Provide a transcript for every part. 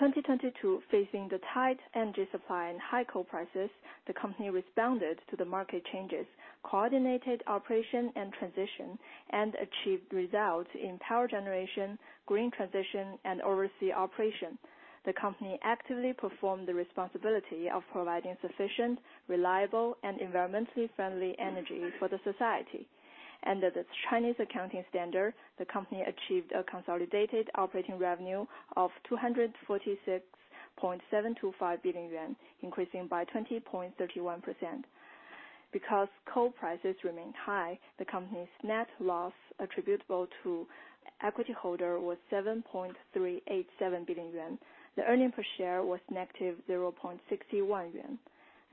In 2022, facing the tight energy supply and high coal prices, the company responded to the market changes, coordinated operation and transition, and achieved results in power generation, green transition, and overseas operation. The company actively performed the responsibility of providing sufficient, reliable, and environmentally friendly energy for the society. Under the Chinese accounting standard, the company achieved a consolidated operating revenue of 246.725 billion yuan, increasing by 20.31%. Because coal prices remained high, the company's net loss attributable to equity holder was 7.387 billion yuan. The earning per share was -0.61 yuan.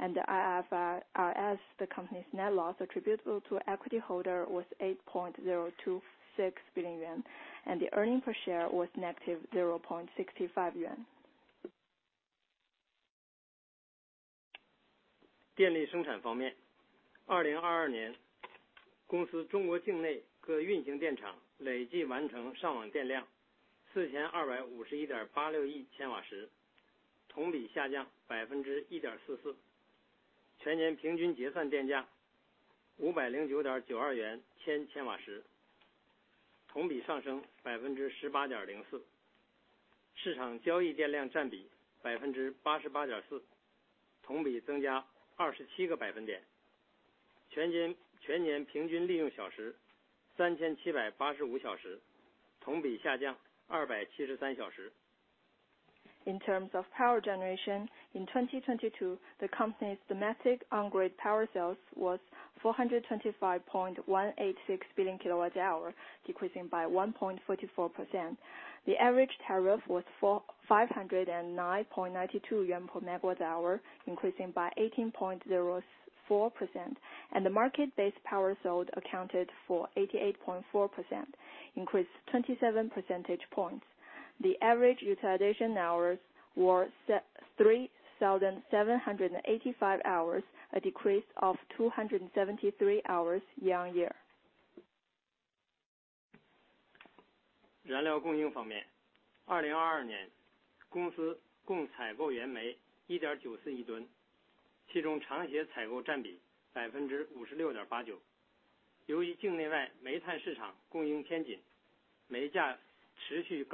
The IFRS, the company's net loss attributable to equity holder was 8.026 billion yuan, and the earning per share was CNY In terms of power generation, in 2022, the company's domestic on-grid power sales was 425.186 billion kW, decreasing by 1.44%. The average tariff was 509.92 yuan per MWh, increasing by 18.04%. The market-based power sold accounted for 88.4%, increased 27 percentage points. The average utilization hours were 3,785 hours, a decrease of 273 hours year-over-year. In terms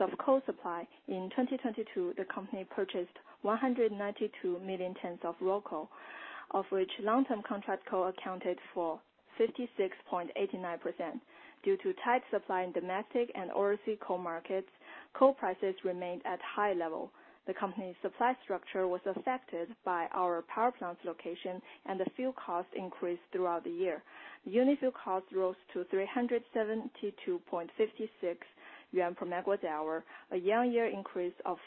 of coal supply, in 2022, the company purchased 192 million tons of raw coal, of which long-term contract coal accounted for 56.89%. Due to tight supply in domestic and overseas coal markets, coal prices remained at high level. The company's supply structure was affected by our power plants location and the fuel costs increased throughout the year. Unit fuel costs rose to 372.56 yuan per MWh, a year-on-year increase of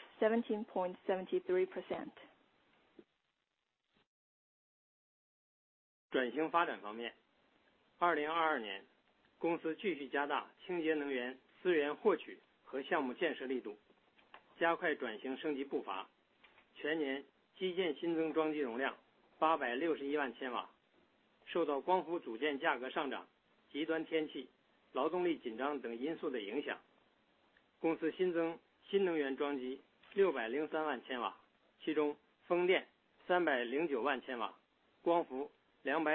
In terms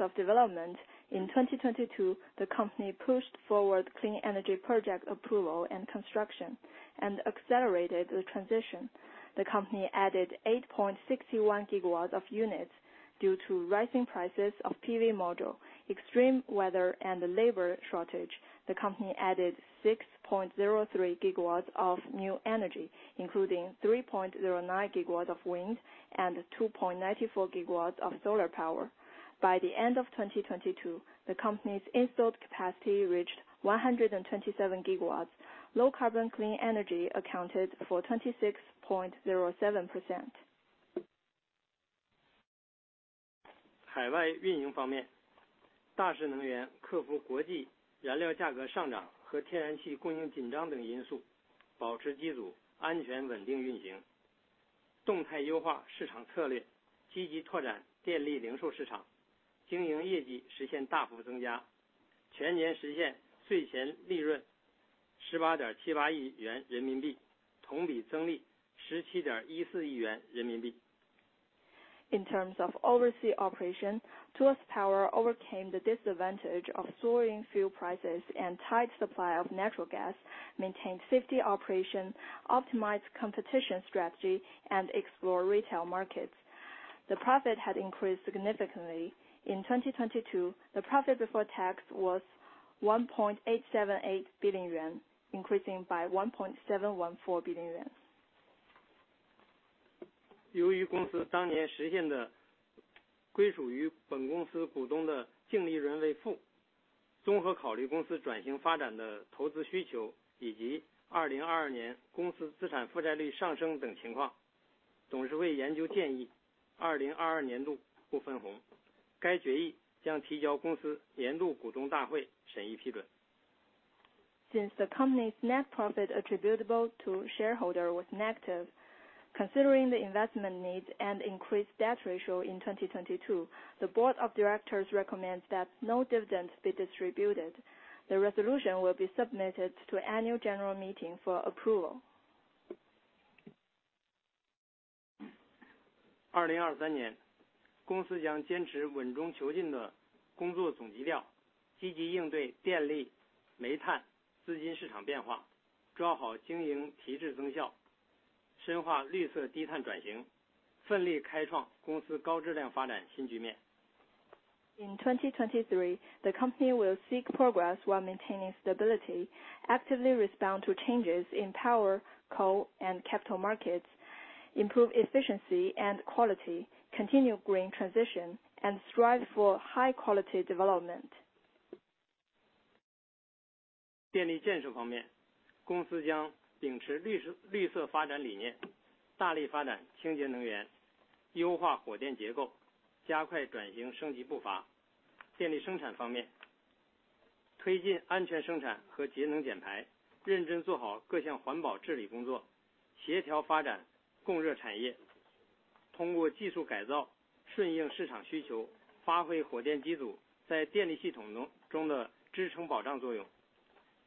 of development, in 2022, the company pushed forward clean energy project approval and construction, and accelerated the transition. The company added 8.61 GW of units due to rising prices of PV module, extreme weather and the labor shortage. The company added 6.03 GW of new energy, including 3.09 GW of wind and 2.94 GW of solar power. By the end of 2022, the company's installed capacity reached 127 GW. Low carbon clean energy accounted for 26.07%. In terms of overseas operation, Tuas Power overcame the disadvantage of soaring fuel prices and tight supply of natural gas, maintained safety operation, optimized competition strategy, and explore retail markets. The profit had increased significantly. In 2022, the profit before tax was 1.878 billion yuan, increasing by 1.714 billion yuan. 由于公司当年实现的归属于本公司股东的净利润为负。综合考虑公司转型发展的投资需求以及2022年公司资产负债率上升等情 况， 董事会研究建议2022年度不分 红， 该决议将提交公司年度股东大会审议批准。Since the company's net profit attributable to shareholder was negative. Considering the investment needs and increased debt ratio in 2022, the Board of Directors recommends that no dividends be distributed. The resolution will be submitted to Annual General Meeting for approval. 2023 年， 公司将坚持稳中求进的工作总基 调， 积极应对电力、煤炭、资金市场变 化， 抓好经营提质增 效， 深化绿色低碳转 型， 奋力开创公司高质量发展新局面。In 2023, the company will seek progress while maintaining stability, actively respond to changes in power, coal and capital markets, improve efficiency and quality, continue green transition, and strive for high-quality development. 电力建设方 面， 公司将秉持绿色发展理 念， 大力发展清洁能 源， 优化火电结 构， 加快转型升级步 伐. 电力生产方 面， 推进安全生产和节能减 排， 认真做好各项环保治理工 作， 协调发展供热产 业， 通过技术改 造， 顺应市场需 求， 发挥火电机组在电力系统中的支撑保障作 用.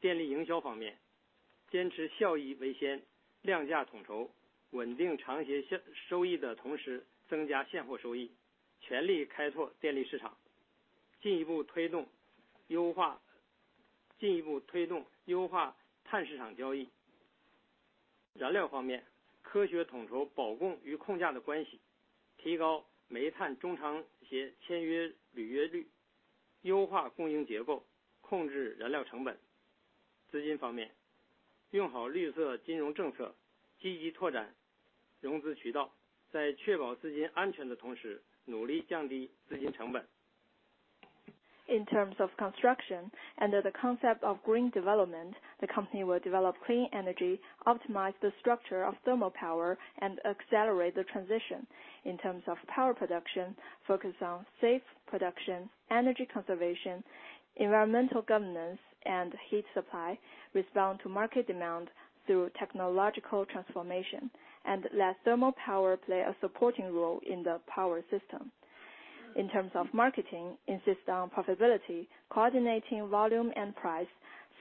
电力营销方 面， 坚持效益为 先， 量价统 筹， 稳定长协收益的同时增加现货收 益， 全力开拓电力市 场， 进一步推动优化碳市场交 易. 燃料方 面， 科学统筹保供与控价的关 系， 提高煤炭中长期协签约履约 率， 优化供应结 构， 控制燃料成 本. 资金方 面， 用好绿色金融政 策， 积极拓展融资渠 道， 在确保资金安全的同 时， 努力降低资金成 本. In terms of construction, under the concept of green development, the company will develop clean energy, optimize the structure of thermal power and accelerate the transition. In terms of power production, focus on safe production, energy conservation, environmental governance and heat supply. Respond to market demand through technological transformation and let thermal power play a supporting role in the power system. In terms of marketing, insist on profitability coordinating volume and price,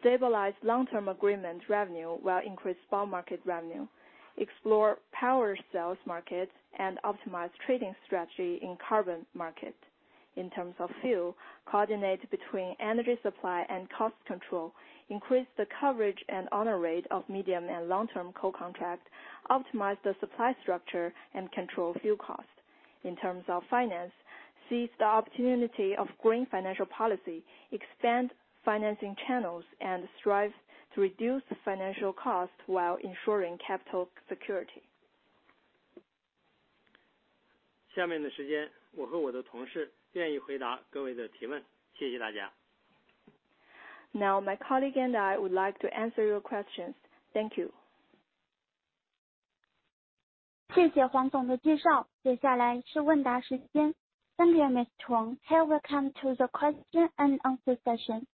stabilize long-term agreement revenue, while increase spot market revenue, explore power sales markets and optimize trading strategy in carbon market. In terms of fuel, coordinate between energy supply and cost control, increase the coverage and honor rate of medium- and long-term coal contract, optimize the supply structure and control fuel cost. In terms of finance, seize the opportunity of green financial policy, expand financing channels, and strive to reduce financial costs while ensuring capital security. 下面的时 间， 我和我的同事愿意回答各位的提问。谢谢大家。My colleague and I would like to answer your questions. Thank you. 谢谢黄总的介 绍， 接下来是问答时间。Thank you, Miss Huang. Here we come to the question and answer session.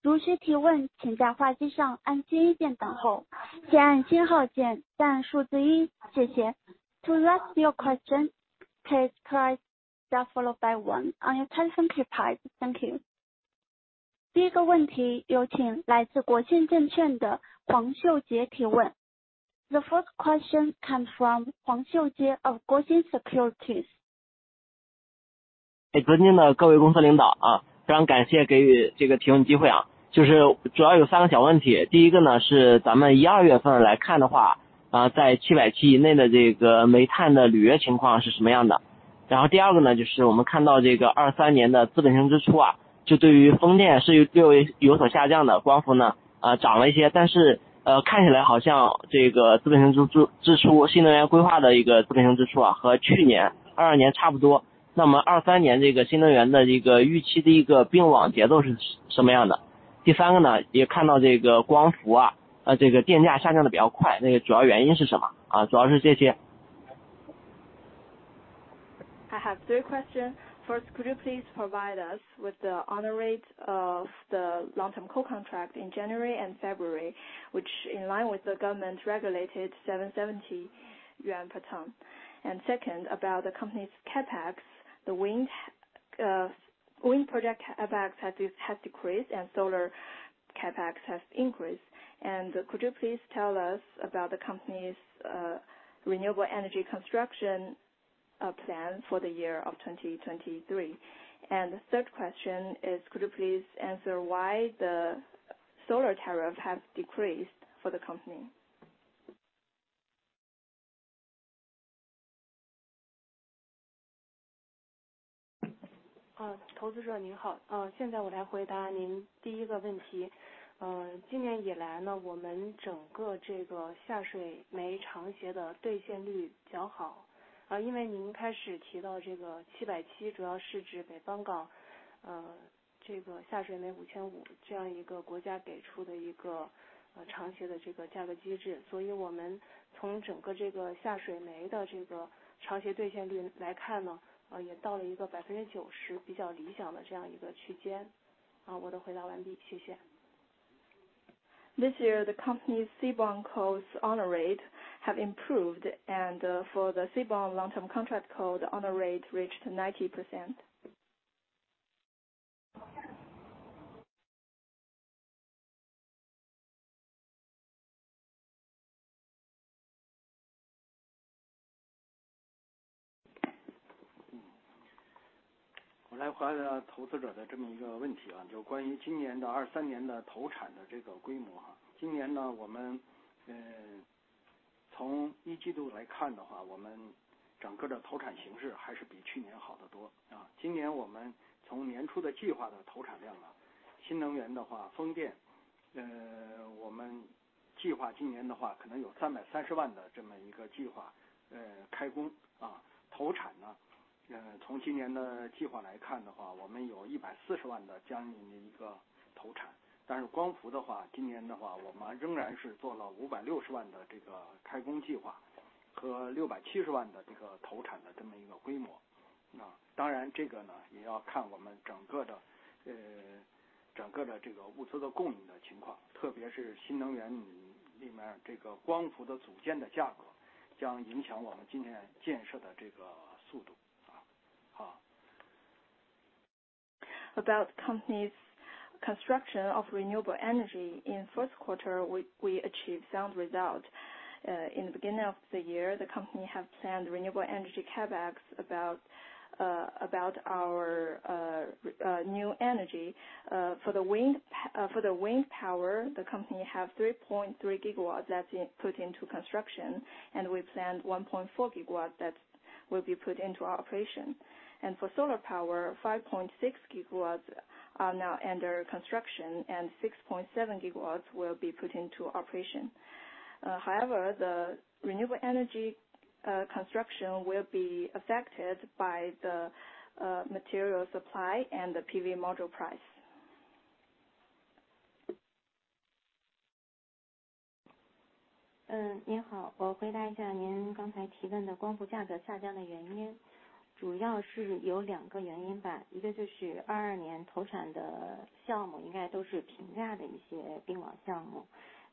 如需提 问， 请在话机上按星一键等 候， 先按星号 键， 再按数字 1。谢谢。To ask your question, please press followed by one on your telephone keypad. Thank you. 第一个问题有请来自国信证券的黄秀杰提问。The first question come from 黄秀杰 of Guosen Securities. 尊敬的各位公司领导 啊， 非常感谢给予这个提问机会啊。就是主要有三个小问 题， 第一个 呢， 是咱们一二月份来看的 话， 啊， 在七百七以内的这个煤炭的履约情况是什么样 的？ 然后第二个 呢， 就是我们看到这个二三年的资本性支出 啊， 就对于风电是有所下降 的， 光伏 呢， 啊， 涨了一 些， 但 是， 呃， 看起来好像这个资本性支 出， 新能源规划的一个资本性支出 啊， 和去年二二年差不多。那么二三年这个新能源的一个预期的一个并网节奏是什么样 的？ 第三个 呢， 也看到这个光伏 啊， 啊， 这个电价下降的比较 快， 那个主要原因是什 么？ 啊， 主要是这些。I have three questions. First, could you please provide us with the honor rate of the long-term coal contract in January and February, which in line with the government-regulated 770 yuan per ton. Second, about the company's CapEx, the wind project CapEx has decreased and solar CapEx has increased. Could you please tell us about the company's renewable energy construction plan for the year of 2023? The third question is, could you please answer why the solar tariff has decreased for the company? 投资者您 好, 现在我来回答您第一个问 题. 今年以来 呢, 我们整个这个下水煤长协的兑现率较 好, 因为您一开始提到这个 770, 主要是指北方 港, 这个下水煤 5,500, 这样一个国家给出的一个长协的这个价格机 制. 我们从整个这个下水煤的这个长协兑现率来看 呢, 也到了一个 90% 比较理想的这样一个区 间. 好, 我的回答完 毕, 谢 谢. This year the company's seaborne coal on a rate have improved, and for the seaborne long-term contract coal on a rate reached 90%. 我来回答投资者的这么一个问 题， 就关于今年的2023年的投产的这个规模。今年 呢， 我们从 Q1 来看的 话， 我们整个的投产形势还是比去年好得多。今年我们从年初的计划的投产 量， 新能源的 话， 风 电， 我们计划今年的话可能有 3.3 million 的这么一个计划开工。投产呢，从今年的计划来看的 话， 我们有 1.4 million 的这样一个投产。但是光伏的 话， 今年的话我们仍然是做了 5.6 million 的这个开工计划和 6.7 million 的这个投产的这么一个规模。那当然这个 呢， 也要看我们整个的这个物资的供应的情 况， 特别是新能源里面这个光伏的组件的价 格， 将影响我们今年建设的这个速度。好。About company's construction of renewable energy. In first quarter we achieve sound result. In the beginning of the year the company have planned renewable energy CapEx about our new energy. For the wind power the company have 3.3 GW that's put into construction, and we planned 1.4 GW that will be put into our operation. For solar power 5.6 GW are now under construction, and 6.7 GW will be put into operation. The renewable energy construction will be affected by the material supply and the PV module price. 嗯， 您 好， 我回答一下您刚才提问的光伏价格下降的原 因， 主要是有两个原因 吧， 一个就是二二年投产的项目应该都是平价的一些并网项目。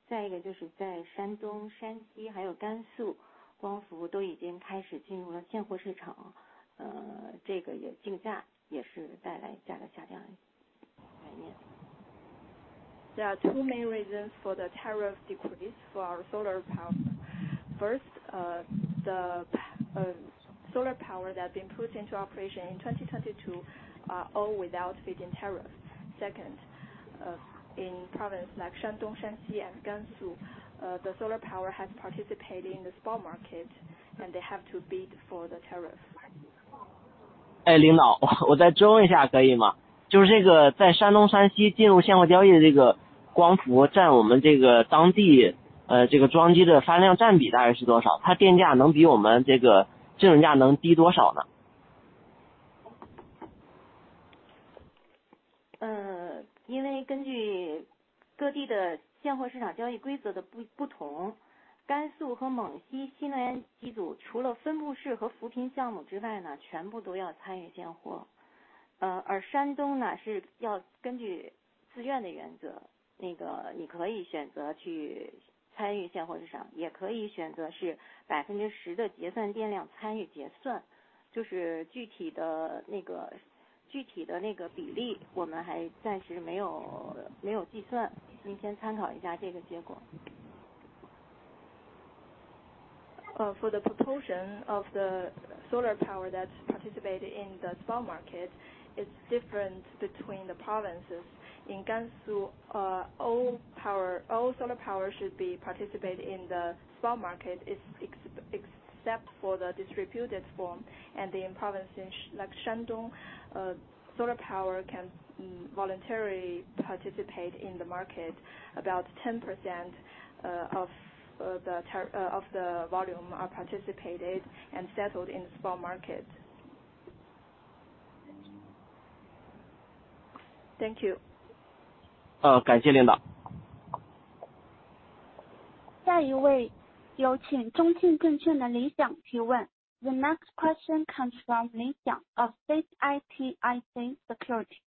再一个就是在山东、山西还有甘 肃， 光伏都已经开始进入了现货市 场， 呃， 这个也竞 价， 也是带来价格下降的原因。There are two main reasons for the tariff decrease for solar power. First, the solar power that been put into operation in 2022 are all without feed-in tariff. Second, in province like Shandong, Shanxi, and Gansu, the solar power has participated in the spot market, and they have to bid for the tariff. 哎, 领导, 我再问一下可以 吗? 这个在山东山西进入现货交易的这个光伏占我们这个当 地, 这个装机的发量占比大概是多 少? 它电价能比我们这个征收价能低多少 呢? 呃因为根据各地的现货市场交易规则的不不 同， 甘肃和蒙西新能源机组除了分布式和扶贫项目之外 呢， 全部都要参与现货。呃， 而山东 呢， 是要根据自愿的原 则， 那个你可以选择去参与现货市 场， 也可以选择是百分之十的结算电量参与结算。就是具体的那 个， 具体的那个比 例， 我们还暂时没 有， 没有计 算， 您先参考一下这个结果。For the proportion of the solar power that's participated in the spot market. It's different between the provinces. In Gansu, all solar power should be participated in the spot market, except for the distributed form. In provinces like Shandong, solar power can voluntarily participate in the market. About 10% of the volume are participated and settled in the spot market. Thank you. 呃， 感谢领导。下一位有请中信证券的李想提 问. The next question comes from Li Xiang of CITIC Securities.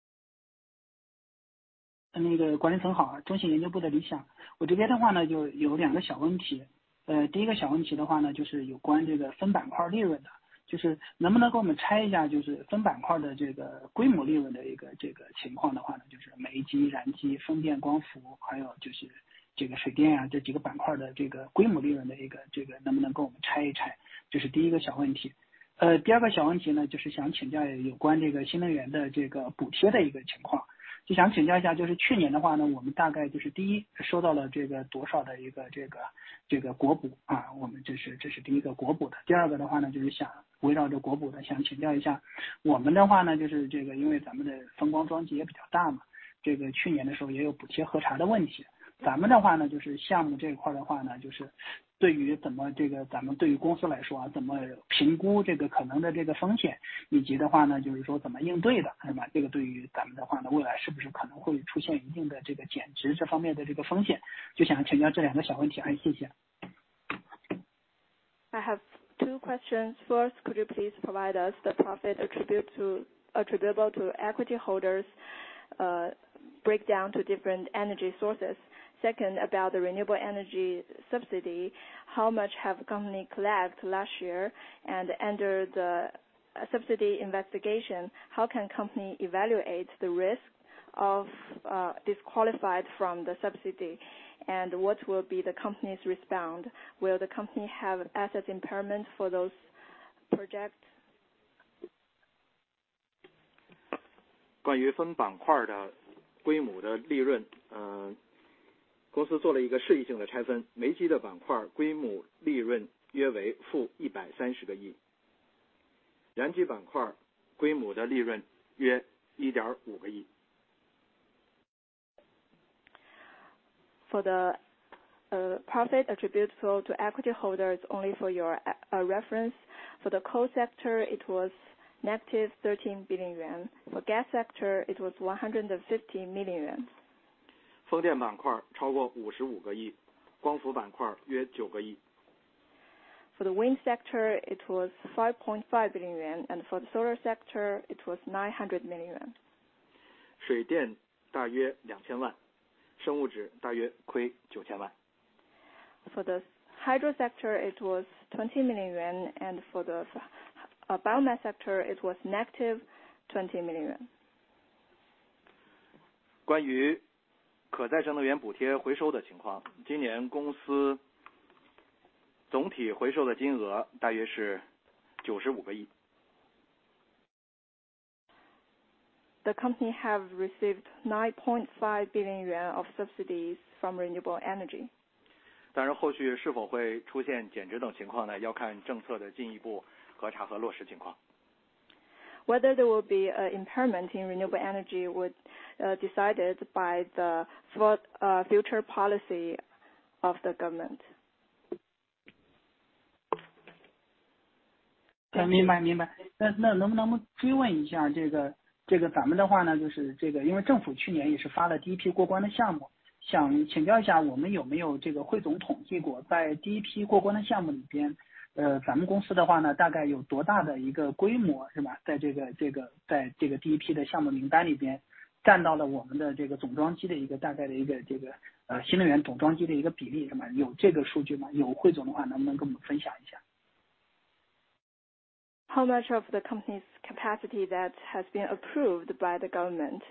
那个管理层 好， 中信研究部的李想。我这边的话 呢， 就有两个小问题。呃， 第一个小问题的话 呢， 就是有关这个分板块利润的，就是能不能给我们拆一 下， 就是分板块的这个规模利润的一个这个情况的话 呢， 就是煤机、燃机、风电、光 伏， 还有就是这个水电 啊， 这几个板块的这个规模利润的一个这个能不能给我们拆一 拆， 这是第一个小问题。呃， 第二个小问题 呢， 就是想请教有关这个新能源的这个补贴的一个情况就想请教一 下， 就是去年的话 呢， 我们大概就是第 一， 收到了这个多少的一个这 个， 这个国 补， 啊， 我们这 是， 这是第一个国补的。第二个的话 呢， 就是想围绕着国补 呢， 想请教一下我们的话 呢， 就是这 个， 因为咱们的风光装机也比较大 嘛， 这个去年的时候也有补贴核查的问题，咱们的话 呢， 就是项目这一块的话 呢， 就是对于怎么这 个， 咱们对于公司来说 啊， 怎么评估这个可能的这个风 险， 以及的话 呢， 就是说怎么应对 的， 是 吧， 这个对于咱们的话 呢， 未来是不是可能会出现一定的这个减值这方面的这个风险。就想请教这两个小问 题， 谢谢。I have two questions. First, could you please provide us the profit attributable to equity holders break down to different energy sources. Second, about the renewable energy subsidy. How much have company collect last year and under the subsidy investigation, how can company evaluate the risk of disqualified from the subsidy? What will be the company's respond? Will the company have assets impairment for those projects? 关于分板块的规模的利 润， 公司做了一个适宜性的拆 分， 煤机的板块规模利润约为 CNY -13 billion， 燃机板块规模的利润约 CNY 150 million。For the profit attributable to equity holders only for your reference. For the coal sector, it was -13 billion yuan. For gas sector it was 150 million yuan. 风电板块超过五十五个 亿， 光伏板块约九个亿。For the wind sector it was 5.5 billion yuan, and for the solar sector it was 900 million yuan. 水电大约两千 万， 生物质大约亏九千万。For the hydro sector it was 20 million yuan, and for the biomass sector it was -20 million yuan. 关于可再生能源补贴回收的情 况， 今年公司总体回收的金额大约是 CNY 9.5 billion。The company have received 9.5 billion yuan of subsidies from renewable energy. 后续是否会出现减值等情况 呢, 要看政策的进一步核查和落实情 况. Whether there will be an impairment in renewable energy would decided by the for future policy of the government. 明白，明白。能 不能我们追问一 下，这 个咱们的话 呢，就 是这 个，因 为政府去年也是发了第一批过关的项 目，想 请教一下我们有没有这个汇总统计 过，在 第一批过关的项目里 边，咱 们公司的话 呢，大 概有多大的一个规 模，是 吧，在 这 个，在 这个第一批的项目名单里 边，占 到了我们的这个总装机的一个大概的一个这 个，新 能源总装机的一个比 例，是 吗？有 这个数据 吗？有 汇总的话能不能跟我们分享一下。How much of the company's capacity that has been approved by the government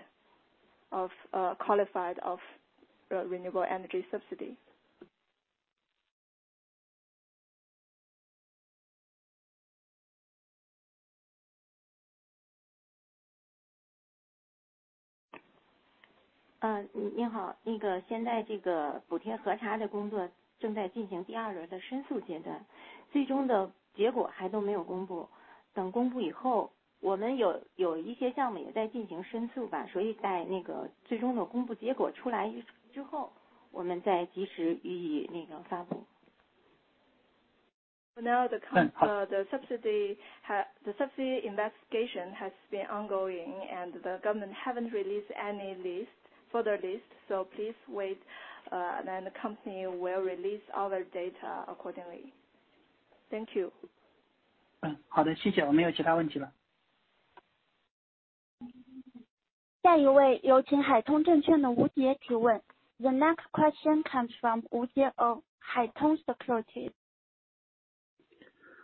of, qualified of renewable energy subsidy? 呃， 您 好， 那个现在这个补贴核查的工作正在进行第二轮的申诉阶 段， 最终的结果还都没有公 布， 等公布以后我们 有， 有一些项目也在进行申诉 吧， 所以在那个最终的公布结果出来 以， 之 后， 我们再及时予以那个发布。Now the 嗯， 好的。The subsidy investigation has been ongoing. The government haven't released any list, further list. Please wait. The company will release all the data accordingly. Thank you. 好 的， 谢谢。我们没有其他问题了。下一位有请海通证券的吴杰提问。The next question comes from 吴杰 of Haitong Securities.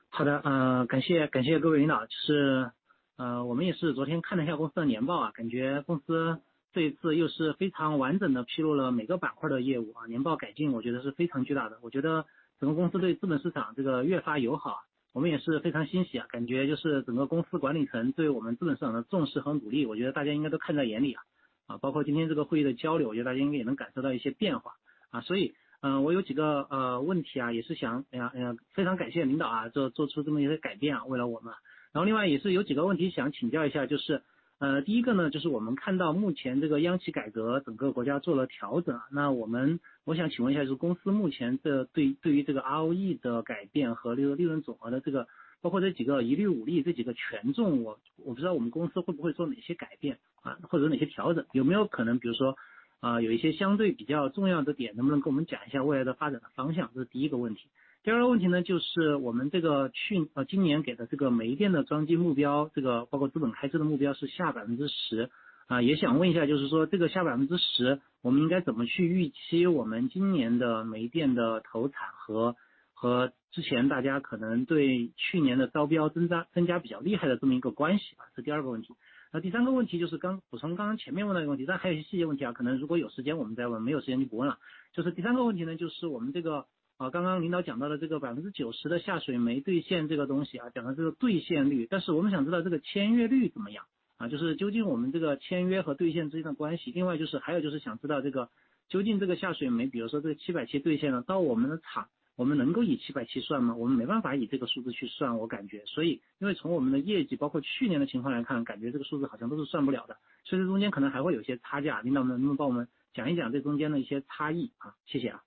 好 的， 呃， 感 谢， 感谢各位领导。就 是， 呃， 我们也是昨天看了一下公司的年报 啊， 感觉公司这一次又是非常完整地披露了每个板块的业务 啊， 年报改进我觉得是非常巨大 的， 我觉得整个公司对资本市场这个越发友 好， 我们也是非常欣喜 啊， 感觉就是整个公司管理层对我们资本市场的重视和鼓 励， 我觉得大家应该都看在眼里啊。包括今天这个会议的交 流， 我觉得大家应该也能感受到一些变化。啊所 以， 呃， 我有几 个， 呃， 问题 啊， 也是 想， 想， 想非常感谢领导 啊， 做， 做出这么一个改变 啊， 为了我们。然后另外也是有几个问题想请教一 下， 就 是， 呃， 第一个 呢， 就是我们看到目前这个央企改革整个国家做了调 整， 那我们--我想请问一下就是公司目前的 对， 对于这个 ROE 的改变和这个利润总额的这 个， 包括这几个一利五利这几个权 重， 我， 我不知道我们公司会不会做哪些改 变， 啊， 或者哪些调 整， 有没有可能比如 说， 啊， 有一些相对比较重要的 点， 能不能跟我们讲一下未来的发展方 向， 这是第一个问题。第二个问题 呢， 就是我们这个去--啊今年给的这个煤电的装机目 标， 这个包括资本开支的目标是下百分之 十， 啊也想问一 下， 就是说这个下百分之 十， 我们应该怎么去预期我们今年的煤电的投产 和， 和之前大家可能对去年的招标增 加， 增加比较厉害的这么一个关系吧。这是第二个问题。那第三个问题就是刚--补充刚刚前面问那个问 题， 但还有一些细节问题 啊， 可能如果有时间我们再 问， 没有时间就不问了。就是第三个问题 呢， 就是我们这 个， 啊刚刚领导讲到了这个百分之九十的下水没兑现这个东西 啊， 讲的这个兑现 率， 但是我们想知道这个签约率怎么样 ？就 是究竟我们这个签约和兑现之间的关系。另外就是还有就是想知道这个究竟这个下水 煤， 比如说这七百七兑现 了， 到我们的 厂， 我们能够以七百七算 吗？ 我们没办法以这个数字去 算， 我感觉。所以因为从我们的业 绩， 包括去年的情况来 看， 感觉这个数字好像都是算不了 的， 所以中间可能还会有一些差 价， 领导能不能帮我们讲一讲这中间的一些差 异？ 啊， 谢谢啊。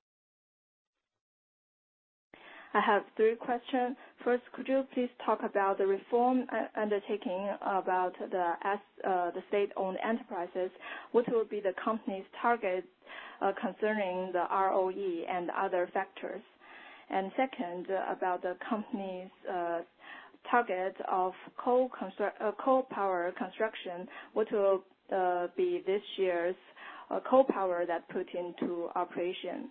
I have three questions. First, could you please talk about the reform undertaking about the state-owned enterprises, what will be the company's target concerning the ROE and other factors? Second, about the company's target of coal power construction, what will be this year's coal power that put into operation?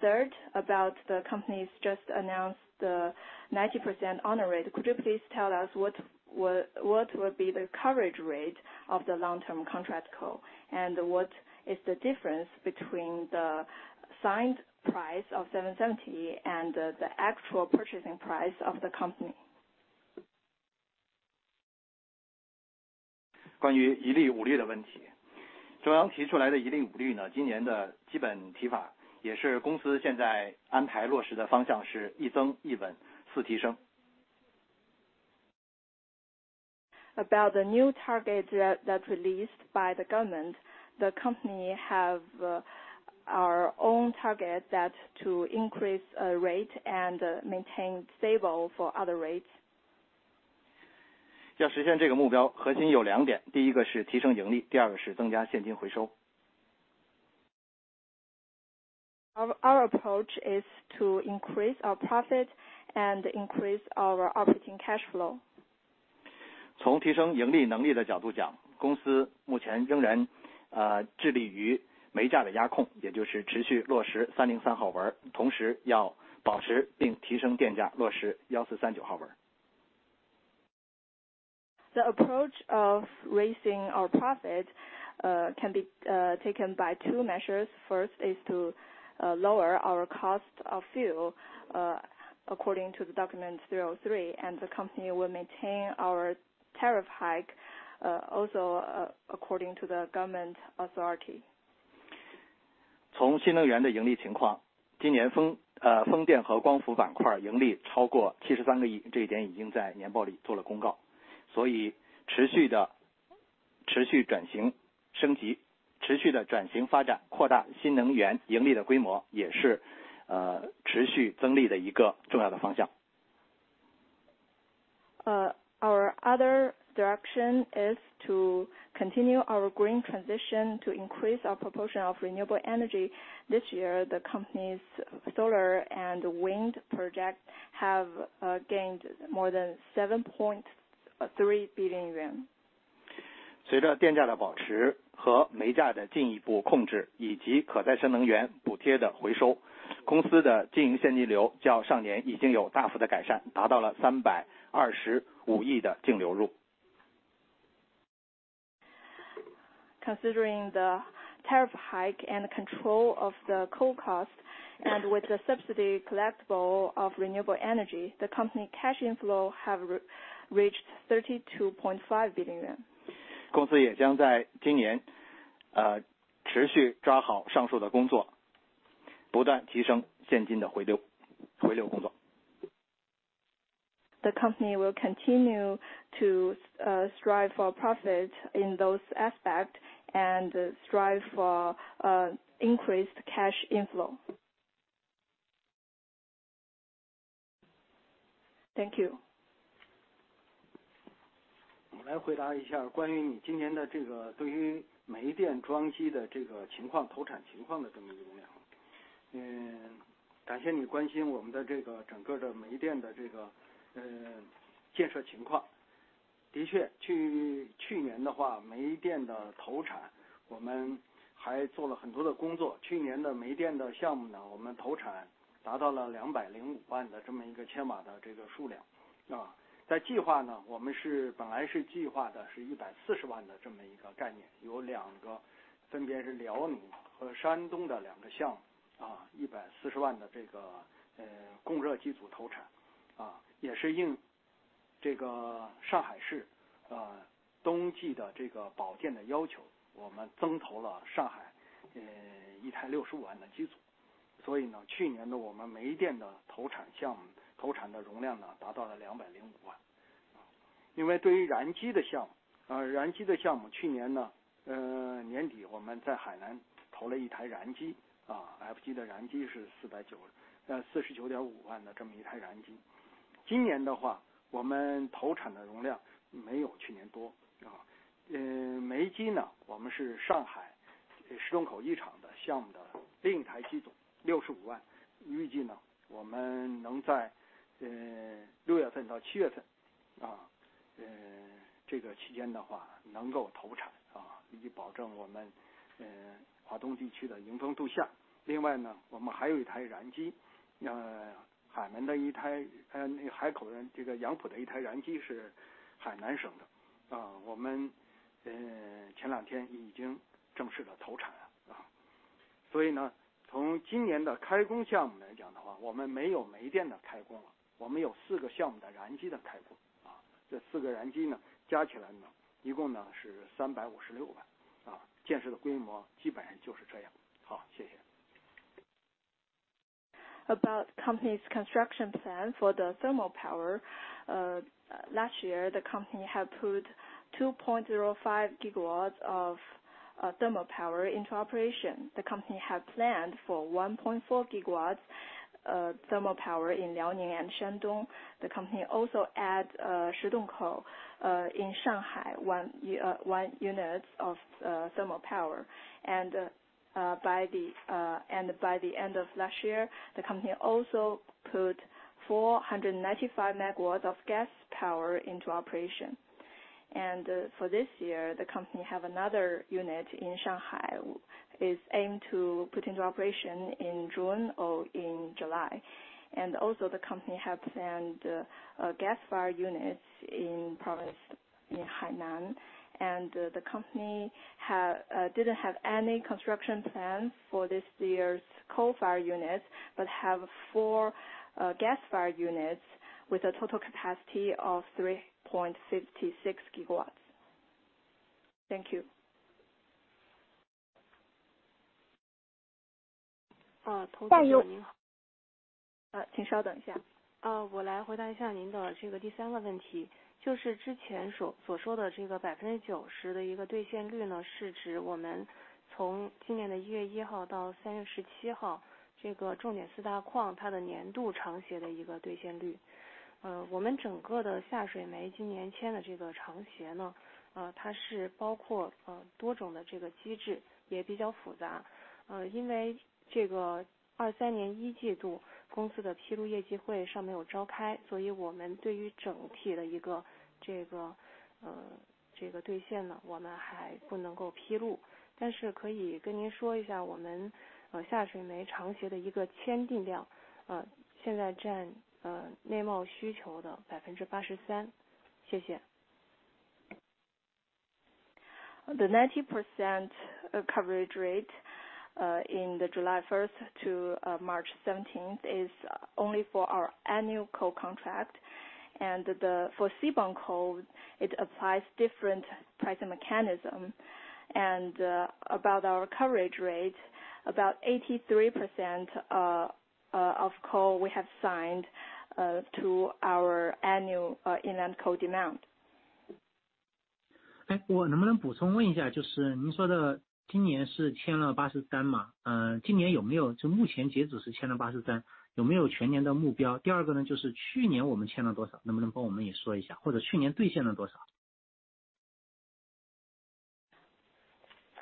Third, about the company's just announced 90% honor rate, could you please tell us what will be the coverage rate of the long-term contract coal? What is the difference between the signed price of 770 and the actual purchasing price of the company? 关于一利五率的问 题， 中央提出来的一利五率 呢， 今年的基本提法也是公司现在安排落实的方向是一增一稳四提升。About the new target that released by the government, the company have our own target that to increase rate and maintain stable for other rates. 要实现这个目 标， 核心有两 点， 第一个是提升盈 利， 第二个是增加现金回收。Our approach is to increase our profit and increase our operating cash flow. 从提升盈利能力的角度 讲， 公司目前仍然致力于煤价的压 控， 也就是持续落实三零三号 文， 同时要保持并提升电 价， 落实幺四三九号文。The approach of raising our profit can be taken by two measures. First is to lower our cost of fuel according to Document 303 and the company will maintain our tariff hike also according to the government authority. 从新能源的盈利情 况， 今年 风， 风电和光伏板块盈利超过 CNY 7.3 billion， 这一点已经在年报里做了公告。持续转型升级，持续地转型发 展， 扩大新能源盈利的规 模， 也是持续增利的一个重要的方向。Our other direction is to continue our green transition to increase our proportion of renewable energy. This year, the company's solar and wind projects have gained more than 7.3 billion yuan. 随着电价的保持和煤价的进一步控 制， 以及可再生能源补贴的回 收， 公司的经营现金流较上年已经有大幅的改 善， 达到了三百二十五亿的净流入。Considering the tariff hike and control of the coal cost and with the subsidy collectible of renewable energy, the company cash inflow have reached 32.5 billion yuan. 公司也将在今 年， 持续抓好上述的工 作， 不断提升现金的回流工作。The company will continue to strive for profit in those aspects and strive for increased cash inflow. Thank you. 我来回答一下关于你今年的这个对于煤电装机的这个情 况， 投产情况的这么一个问题。感谢你关心我们的这个整个的煤电的这个建设情况。的 确， 去年的 话， 煤电的投产我们还做了很多的工 作， 去年的煤电的项目 呢， 我们投产达到了 2,050,000 kW 的这个数量。在计划 呢， 我们是本来是计划的是 1,400,000 kW 的这么一个概 念， 有2 个， 分别是辽宁和山东的2个项 目， 1,400,000 kW 的这个供热机组投 产， 也是应这个上海市冬季的这个保电的要 求， 我们增投了上 海， 一台 650,000 kW 的机组。去年的我们煤电的投产项目，投产的容量 呢， 达到了 2,050,000 kW。另外对于燃机的项 目， 去年 呢， 年底我们在海南投了一台燃 机， F机 的燃机是 495,000 kW 的这么一台燃机。今年的话我们投产的容量没有去年 多， 是吧。煤机 呢， 我们是上海石洞口一厂的项目的另一台机 组， 650,000 kW。预计 呢， 我们能在六月份到七月份这个期间的话能够投 产， 以保证我们华东地区的迎峰度夏。另外 呢， 我们还有一台燃 机， 海南的一 台， 海口 的， 这个洋浦的一台燃机是海南省 的， 我们前两天已经正式地投产了。从今年的开工项目来讲的 话， 我们没有煤电的开工了，我们有4个项目的燃机的开 工， 这4个燃机 呢， 加起来 呢， 一共 呢， 是 3,560,000 kW。建设的规模基本上就是这样。好， 谢谢。About company's construction plan for the thermal power. Last year the company had put 2.05 GW of thermal power into operation. The company had planned for 1.4 GW thermal power in 辽宁 and 山 东. The company also add Shidongkou, in Shanghai one unit, one unit of thermal power. By the end of last year, the company also put 495 MW of gas power into operation. For this year, the company have another unit in Shanghai is aimed to put into operation in June or in July. Also the company have planned gas fire units in province Hainan. The company didn't have any construction plan for this year's coal-fired unit, but have four gas-fired units with a total capacity of 3.56 GW. Thank you. 呃， 投资者您好。代由-请稍等一下。我来回答一下您的这个第3个问 题， 就是之前所说的这个 90% 的一个兑现率 呢， 是指我们从今年的1月1号到3月17 号， 这个重点4大矿它的年度长协的一个兑现率。我们整个的下水煤今年签的这个长协 呢， 它是包括多种的这个机 制， 也比较复杂。因为这个2023年1 季度公司的披露业绩会尚没有召 开， 所以我们对于整体的一个这个兑现 呢， 我们还不能够披 露， 但是可以跟您说一 下， 我们下水煤长协的一个签订量现在占内贸需求的 83%。谢谢。The 90% coverage rate in the July first to March 17th is only for our annual coal contract. For seaborne coal, it applies different pricing mechanism. About our coverage rate, 83% of coal we have signed to our annual inland coal demand. 我能不能补充问一 下， 就是您说的今年是签了83 嘛， 今年有没有就目前截止是签了 83， 有没有全年的目 标？ 第二个 呢， 就是去年我们签了多 少， 能不能帮我们也说一 下， 或者去年兑现了多 少？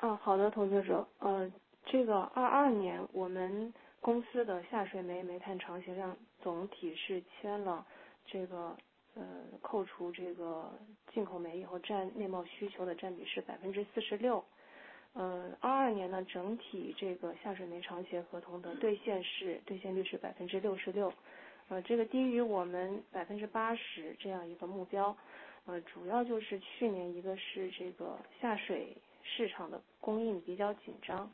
哦， 好 的， 投资 者， 呃， 这个二二年我们公司的下水煤煤炭长协量总体是签了这 个， 呃， 扣除这个进口煤以后占内贸需求的占比是百分之四十六。呃， 二二年 呢， 整体这个下水煤长协合同的兑现是兑现率是百分之六十 六， 呃， 这个低于我们百分之八十这样一个目 标， 呃， 主要就是去年一个是这个下水市场的供应比较紧张，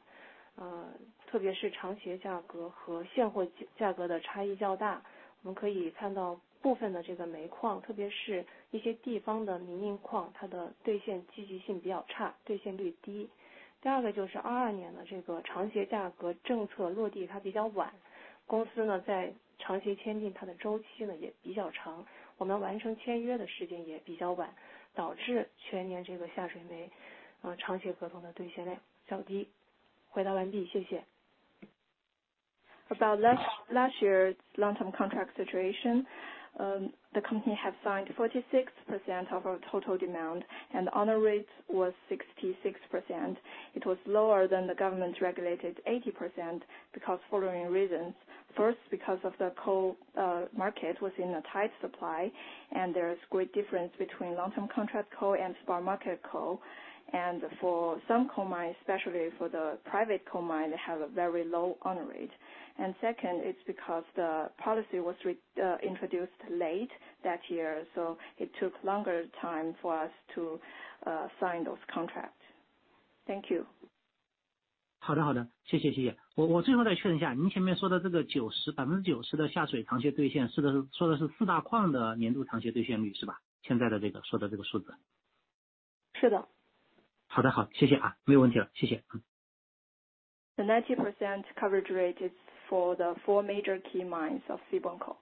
呃， 特别是长协价格和现货价-价格的差异较 大， 我们可以看到部分的这个煤 矿， 特别是一些地方的民营 矿， 它的兑现积极性比较 差， 兑现率低。第二个就是二二年的这个长协价格政策落地它比较 晚， 公司 呢， 在长协签订它的周期 呢， 也比较 长， 我们完成签约的时间也比较 晚， 导致全年这个下水 煤， 呃， 长协合同的兑现量较低。回答完 毕， 谢谢。About last year's long-term contract situation, the company had signed 46% of our total demand and honor rate was 66%. It was lower than the government regulated 80% because following reasons. First, because of the coal market was in a tight supply, and there is great difference between long-term contract coal and spot market coal. For some coal mines, especially for the private coal mine, they have a very low honor rate. Second, it's because the policy was introduced late that year, so it took longer time for us to sign those contracts. Thank you. 好 的， 好 的， 谢 谢， 谢谢。我-我最后再确认一 下， 您前面说的这个九 十， 百分之九十的下水长协兑 现， 说的 是， 说的是四大矿的年度长协兑现率是 吧？ 现在的这 个， 说的这个数字。是的。好 的， 好， 谢谢 啊， 没有问题 了， 谢谢。The 90% coverage rate is for the four major key mines of seaborne coal.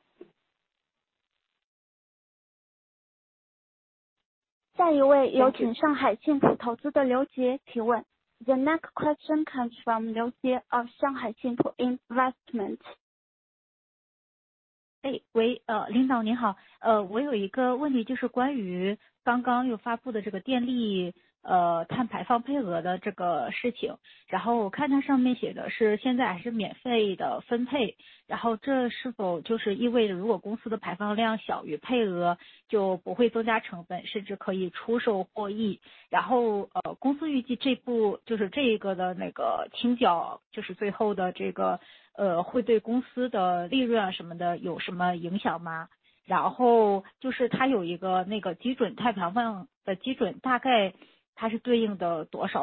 下一位有请上海信托投资的刘杰提问。The next question comes from 刘杰 of 上海信托 Investment. 哎， 喂， 呃， 领导您 好， 呃， 我有一个问题就是关于刚刚有发布的这个电力， 呃， 碳排放配额的这个事 情， 然后我看到上面写的是现在还是免费的分 配， 然后这是否就是意味着如果公司的排放量小于配 额， 就不会增加成 本， 甚至可以出售获 益， 然 后， 呃， 公司预计这部就是这一个的那个清 缴， 就是最后的这 个， 呃， 会对公司的利润啊什么的有什么影响 吗？ 然后就是它有一个那个基 准， 碳排放的基 准， 大概它是对应到多少的一个度电煤耗。对 My questions, my question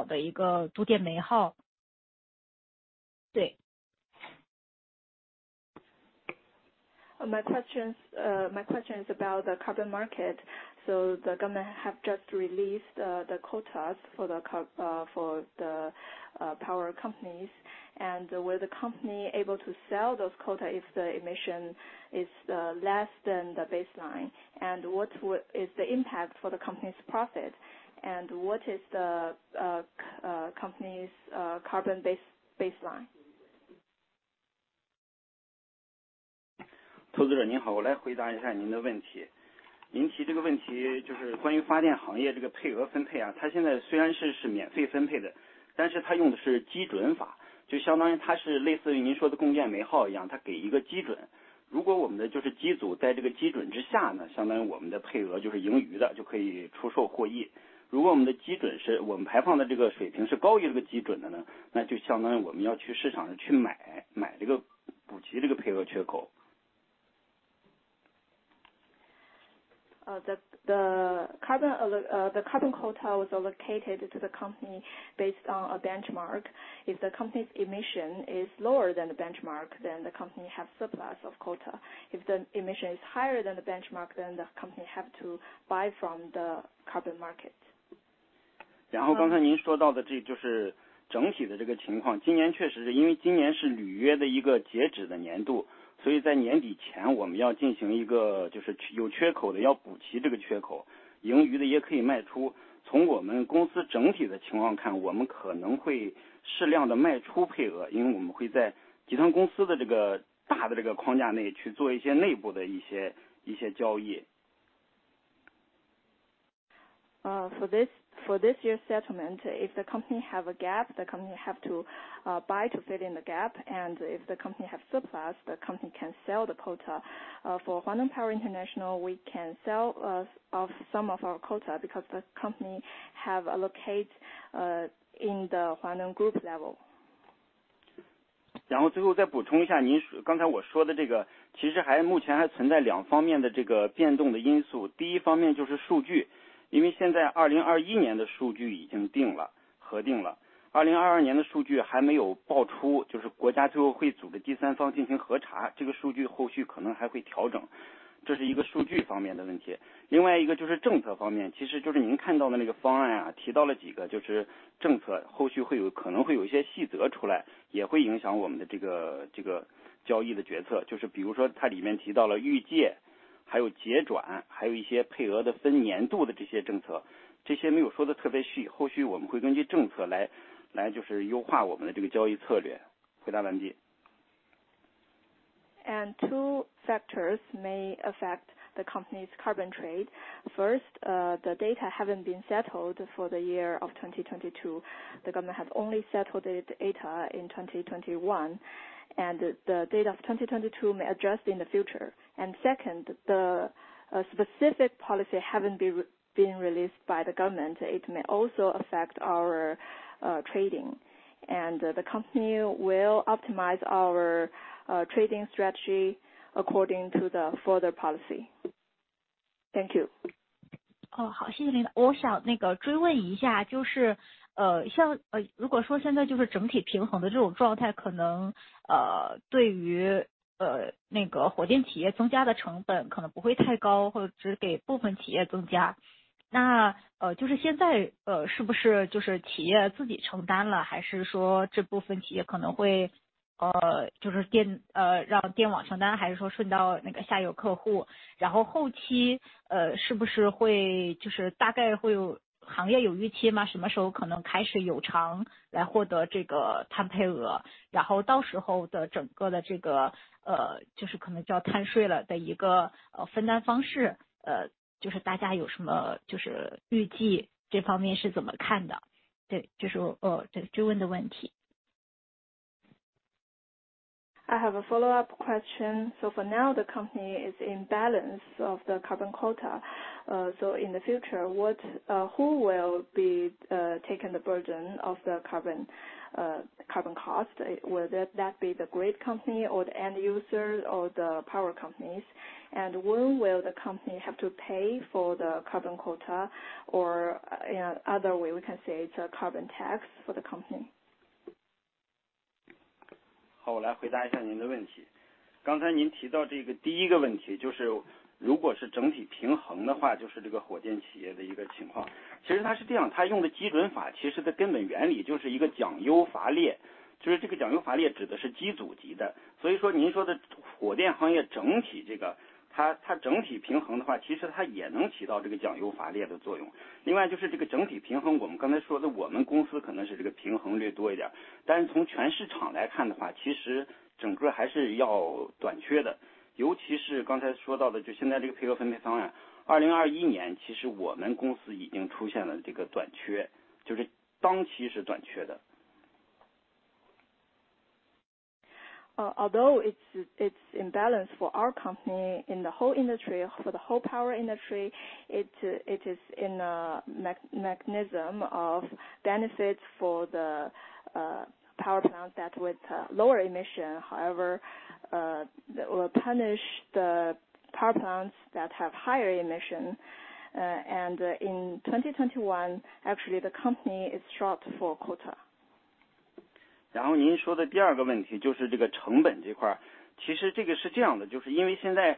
is about the carbon market. The government have just released the quotas for the power companies. Will the company able to sell those quota if the emission is less than the baseline? What is the impact for the company's profit? What is the company's carbon baseline? 投资 者， 您 好， 我来回答一下您的问题。您提这个问题就是关于发电行业这个配额分配 啊， 它现在虽然说是免费分配 的， 但是它用的是基准 法， 就相当于它是类似于您说的供电煤耗一 样， 它给一个基准。如果我们的就是机组在这个基准之下 呢， 相当于我们的配额就是盈余 的， 就可以出售获益。如果我们的基准是我们排放的这个水平是高于这个基准的 呢， 那就相当于我们要去市场去 买， 买这 个， 补齐这个配额缺口。The carbon quota was allocated to the company based on a benchmark. If the company's emission is lower than the benchmark, then the company has surplus of quota. If the emission is higher than the benchmark, then the company have to buy from the carbon market. 刚才您说到的这就是整体的这个情 况， 今年确实 是， 因为今年是履约的一个截止的年 度， 所以在年底前我们要进行一个就是有缺口的要补齐这个缺 口， 盈余的也可以卖出。从我们公司整体的情况 看， 我们可能会适量地卖出配 额， 因为我们会在集团公司的这个大的这个框架内去做一些内部的一 些， 一些交易。For this year's settlement, if the company have a gap, the company have to buy to fill in the gap. If the company have surplus, the company can sell the quota. For Huaneng Power International, we can sell some of our quota because the company have allocate in the Huaneng Group level. 最后再补充一 下， 刚才我说的这 个， 其实还目前还存在两方面的这个变动的因素。第一方面就是数据，因为现在2021年的数据已经定 了， 核定了。2022 年的数据还没有报 出， 就是国家最后会组的第三方进行核 查， 这个数据后续可能还会调 整， 这是一个数据方面的问题。一个就是政策方 面， 其实就是您看到的那个方案 啊， 提到了几 个， 就是政策可能会有一些细则出 来， 也会影响我们的这 个， 这个交易的决策。就是比如说它里面提到了预借，还有结 转， 还有一些配额的分年度的这些政 策， 这些没有说得特别 细， 后续我们会根据政策来就是优化我们的这个交易策略。回答完毕。Two factors may affect the company's carbon trade. First, the data haven't been settled for the year of 2022. The government has only settled it data in 2021, and the data of 2022 may address in the future. Second, the specific policy haven't been released by the government. It may also affect our trading, and the company will optimize our trading strategy according to the further policy. Thank you. 哦， 好， 谢谢领导。我想那个追问一 下， 就 是， 呃， 像， 呃， 如果说现在就是整体平衡的这种状 态， 可 能， 呃， 对 于， 呃， 那个火电企业增加的成本可能不会太 高， 或者只给部分企业增 加， 那， 呃， 就是现 在， 呃， 是不是就是企业自己承担 了， 还是说这部分企业可能 会， 呃， 就是电-- 呃， 让电网承 担， 还是说顺到那个下游客 户， 然后后 期， 呃， 是不是会就是大概会有行业有预期 吗？ 什么时候可能开始有偿来获得这个碳配 额， 然后到时候的整个的这 个， 呃， 就是可能叫碳税了的一 个， 呃， 分担方 式， 呃， 就是大家有什么就是预计这方面是怎么看 的？ 对， 就 是， 呃， 追问的问题。I have a follow-up question. For now, the company is in balance of the carbon quota. In the future, who will be taking the burden of the carbon cost? Will that be the great company or the end user or the power companies? When will the company have to pay for the carbon quota? Other way we can say the carbon tax for the company. 好， 我来回答一下您的问题。刚才您提到这个第一个问 题， 就是如果是整体平衡的 话， 就是这个火电企业的一个情况。其实它是这 样， 它用的基准 法， 其实的根本原理就是一个奖优罚 劣， 就是这个奖优罚劣指的是机组级的。所以说您说的火电行业整体这个 它， 它整体平衡的 话， 其实它也能起到这个奖优罚劣的作用。另外就是这个整体平 衡， 我们刚才说的我们公司可能是这个平衡略多一 点， 但是从全市场来看的 话， 其实整个还是要短缺 的， 尤其是刚才说到的就现在这个配额分配方案 ，2021 年其实我们公司已经出现了这个短 缺， 就是当期是短缺的。Although it's imbalance for our company in the whole industry, for the whole power industry, it is in a mechanism of benefits for the power plant that with lower emission. However, will punish the power plants that have higher emission. in 2021, actually the company is short for quota. 您说的第二个问题就是这个成本这块。其实这个是这样 的， 就是因为现在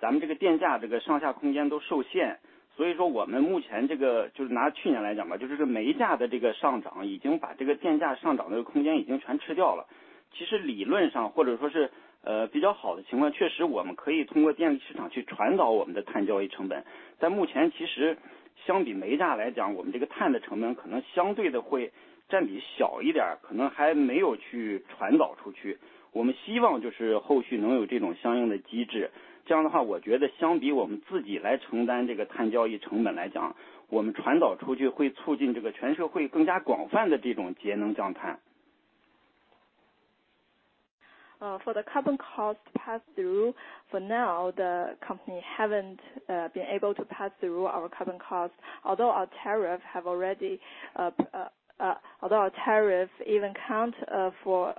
咱们这个电价这个上下空间都受 限， 所以说我们目前这个就是拿去年来讲 吧， 就是煤价的这个上涨已经把这个电价上涨的空间已经全吃掉了。其实理论上或者说是比较好的情 况， 确实我们可以通过电力市场去传导我们的碳交易成 本， 但目前其实相比煤价来 讲， 我们这个碳的成本可能相对的会占比小一 点， 可能还没有去传导出去。我们希望就是后续能有这种相应的机 制， 这样的话我觉得相比我们自己来承担这个碳交易成本来 讲， 我们传导出去会促进这个全社会更加广泛的这种节能降碳。For the carbon cost pass through for now the company haven't been able to pass through our carbon cost although our tariff even count for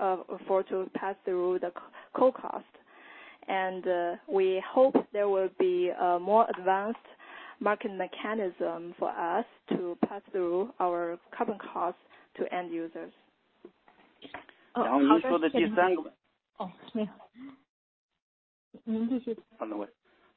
to pass through the carbon cost. We hope there will be a more advanced market mechanism for us to pass through our carbon costs to end users. 您说的第3 个。哦没有。您继续。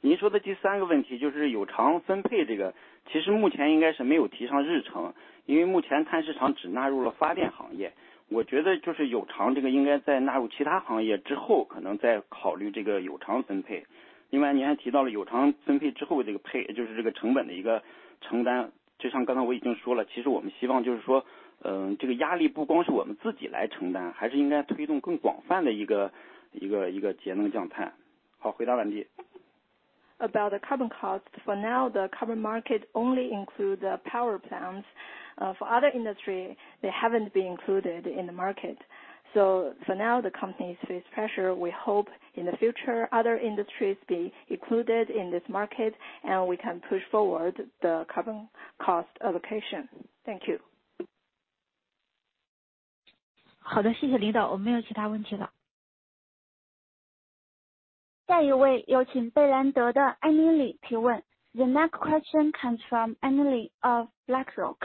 您说的第三个问题就是有偿分配这个。其实目前应该是没有提上日 程， 因为目前碳市场只纳入了发电行业。我觉得就是有偿这个应该在纳入其他行业之 后， 可能再考虑这个有偿分配。另外您还提到了有偿分配之后的这个 配， 就是这个成本的一个承担。就像刚才我已经说 了， 其实我们希望就是 说， 呃， 这个压力不光是我们自己来承 担， 还是应该推动更广泛的一 个， 一 个， 一个节能降碳。好， 回答完毕。About the carbon cost for now the carbon market only include the power plants for other industry they haven't been included in the market. For now the companies face pressure we hope in the future other industries be included in this market and we can push forward the carbon cost allocation. Thank you. 好的，谢谢领导，我没有其他问题了. 下一位有请贝莱德的 Emily 提问. The next question comes from Emily of BlackRock.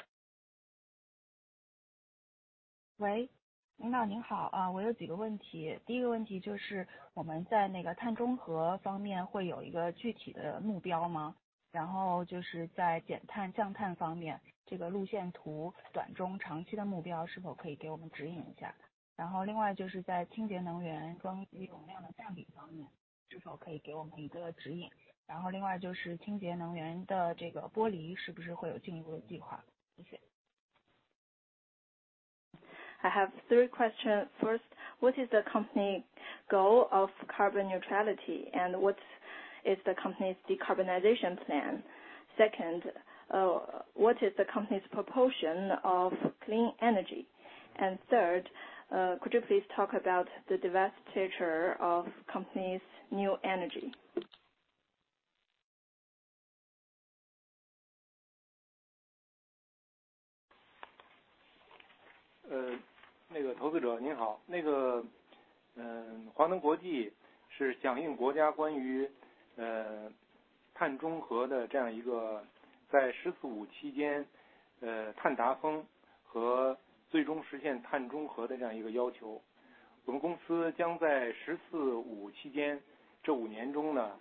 喂，领导您好，我有几个问题。第一个问题就是我们在那个碳中和方面会有一个具体的目标吗？然后就是在减碳降碳方面，这个路线图短中长期的目标是否可以给我们指引一下。然后另外就是在清洁能源装机总量的占比方面是否可以给我们一个指引。然后另外就是清洁能源的这个剥离是不是会有进一步的计划，谢谢。I have three questions first, what is the company goal of carbon neutrality and what is the company's decarbonization plan? Second, what is the company's proportion of clean energy? Third, could you please talk about the divestiture of company's new energy? 那个投资者您 好， 那 个， 华能国际是响应国家关于碳中和的这样一个在十四五期间碳达峰和最终实现碳中和的这样一个要求。我们公司将在十四五期 间， 这5年中 呢，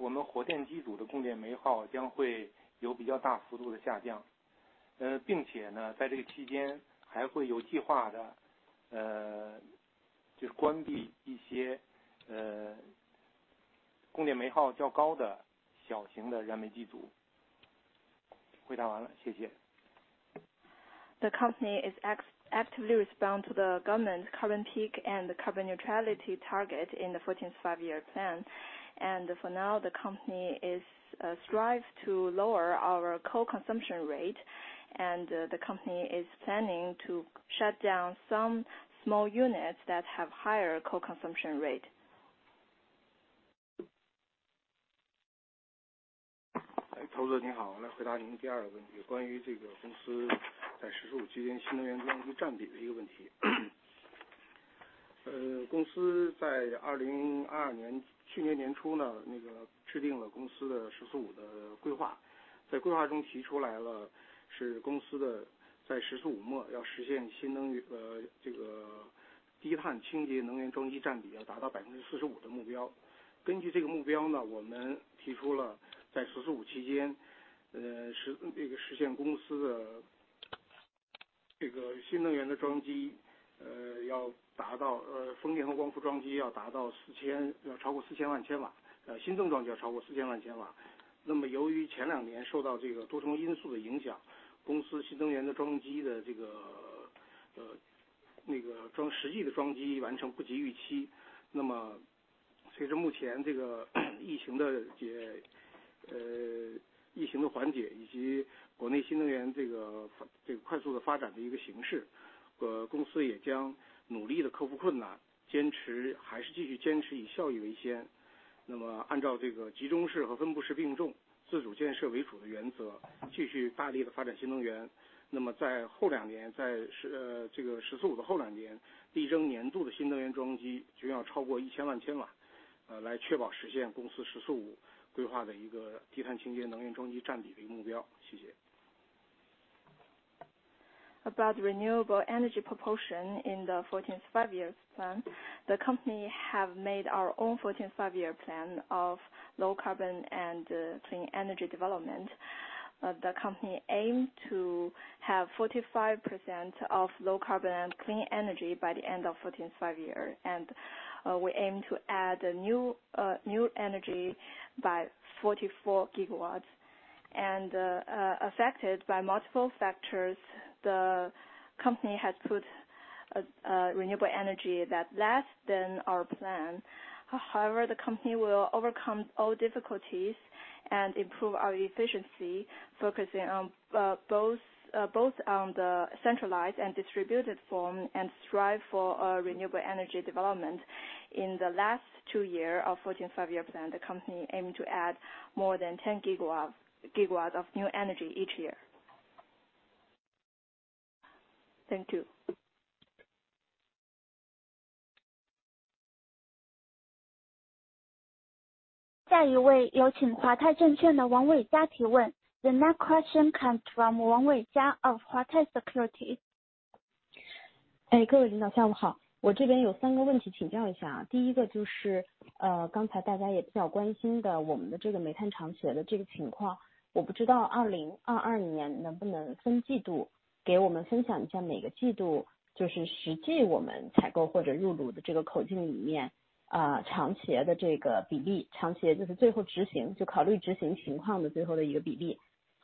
我们火电机组的供电煤耗将会有比较大幅度的下 降， 并且 呢， 在这个期间还会有计划 的， 就是关闭一些供电煤耗较高的小型的燃煤机组。回答完 了， 谢谢。The company is actively respond to the government carbon peak and carbon neutrality target in the 14th Five-Year Plan. For now, the company is strives to lower our coal consumption rate, and the company is planning to shut down some small units that have higher coal consumption rate. 投资者您 好， 来回答您第二个问 题， 关于这个公司在十四五期间新能源装机占比的一个问题。呃， 公司在2022年去年年初 呢， 那个制定了公司的十四五的规 划， 在规划中提出来 了， 是公司的在十四五末要实现新能 源， 呃， 这个低碳清洁能源装机占比要达到百分之四十五的目标。根据这个目标 呢， 我们提出了在十四五期 间， 呃， 实， 这个实现公司的这个新能源的装 机， 呃， 要达 到， 呃， 风电和光伏装机要达到四 千， 要超过四千万千 瓦， 呃， 新增装机要超过四千万千瓦。那么由于前两年受到这个多重因素的影 响， 公司新能源的装机的这 个， 呃， 那个装--实际的装机完成不及预期。那么随着目前这个疫情 的， 呃， 疫情的缓解以及国内新能源这 个， 这个快速的发展的一个形 势， 呃， 公司也将努力地克服困 难， 坚持还是继续坚持以效益为先。那么按照这个集中式和分布式并重、自主建设为主的原 则， 继续大力地发展新能源。那么在后两 年， 在 十， 呃， 这个十四五的后两 年， 力争年度的新能源装机就要超过一千万千瓦。来确保实现公司十四五规划的一个低碳清洁能源装机占比的目标 谢谢. About renewable energy proportion in the 14th Five-Year Plan. The company have made our own 14th Five-Year Plan of low carbon and clean energy development. The company aims to have 45% of low carbon clean energy by the end of 14th Five-Year Plan, we aim to add new energy by 44 GW affected by multiple factors, the company has put renewable energy that less than our plan. The company will overcome all difficulties and improve our efficiency, focusing on both on the centralized and distributed form, strive for renewable energy development. In the last two year of 14th Five-Year Plan, the company aimed to add more than 10 GW of new energy each year. Thank you. 下一位有请华泰证券的王伟加提问。The next question comes from 王伟加 of Huatai Securities. 哎各位领导下午好我这边有三个问题请教一下啊。第一个就是呃刚才大家也比较关心的我们的这个煤炭长协的这个情况我不知道2022年能不能分季度给我们分享一 下， 每个季度就是实际我们采购或者入炉的这个口径里面 啊， 长协的这个比 例， 长协就是最后执行就考虑执行情况的最后的一个比例，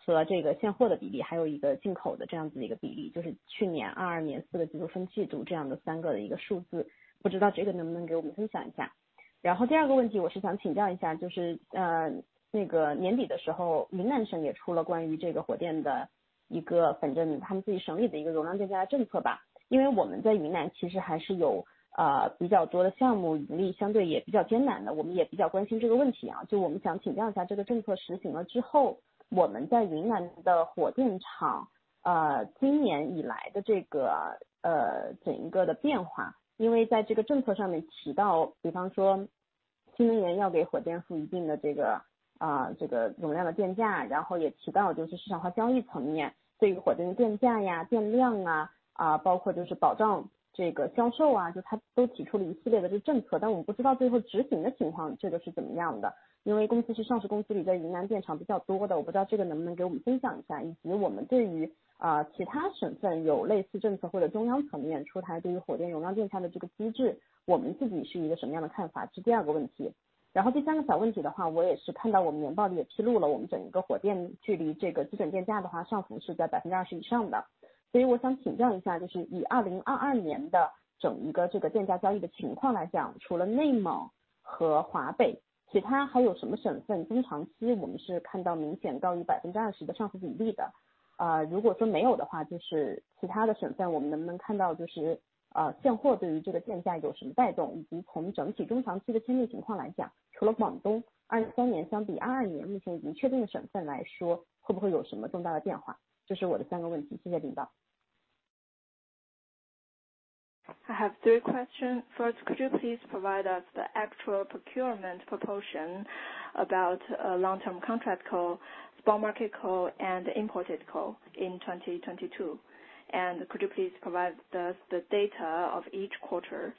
除了这个现货的比 例， 还有一个进口的这样子的一个比 例， 就是去年二二年四个季度分季度这样的三个的一个数 字， 不知道这个能不能给我们分享一下。然后第二个问题我是想请教一 下， 就是 呃， 那个年底的时 候， 云南省也出了关于这个火电的一个反正他们自己省里的一个容量电价的政策 吧， 因为我们在云南其实还是 有， 呃， 比较多的项 目， 盈利相对也比较艰难 的， 我们也比较关心这个问题 啊， 就我们想请教一 下， 这个政策实行了之后，我们在云南的火电 厂， 呃， 今年以来的这 个， 呃， 整个的变 化， 因为在这个政策上面提 到， 比方说今年要给火电一定的这 个， 呃， 这个用量的电 价， 然后也提到就是市场化交易层 面， 对于火电的电价 呀， 电量 啊， 呃， 包括就是保障这个销售 啊， 就它都提出了一系列的政 策， 但我们不知道最后执行的情 况， 这个是怎么样的，因为公司是上市公 司， 在云南电厂比较多 的， 我不知道这个能不能给我们分享一 下， 以及我们对 于， 呃， 其他省份有类似政 策， 或者中央层面出台对于火电容量电价的这个机 制， 我们自己是一个什么样的看 法， 这是第二个问题。然后第三个小问题的 话， 我也是看到我们年报里也披露了我们整个火电距离这个基准电价的 话， 上浮是在百分之二十以上的。所以我想请教一 下， 就是以2022年的整个这个电价交易的情况来 讲， 除了内蒙和华北，其他还有什么省份中长期我们是看到明显高于百分之二十的上浮比例的。呃如果说没有的 话， 就是其他的省份我们能不能看 到， 就 是， 呃， 现货对于这个电价有什么带 动， 以及从整体中长期的交易情况来 讲， 除了广东二三年相比二二年目前已经确定的省份来 说， 会不会有什么重大的变 化？ 这是我的三个问 题， 谢谢领导。I have three questions. First, could you please provide us the actual procurement proportion about long-term contract coal, spot market coal, and imported coal in 2022? Could you please provide us the data of each quarter?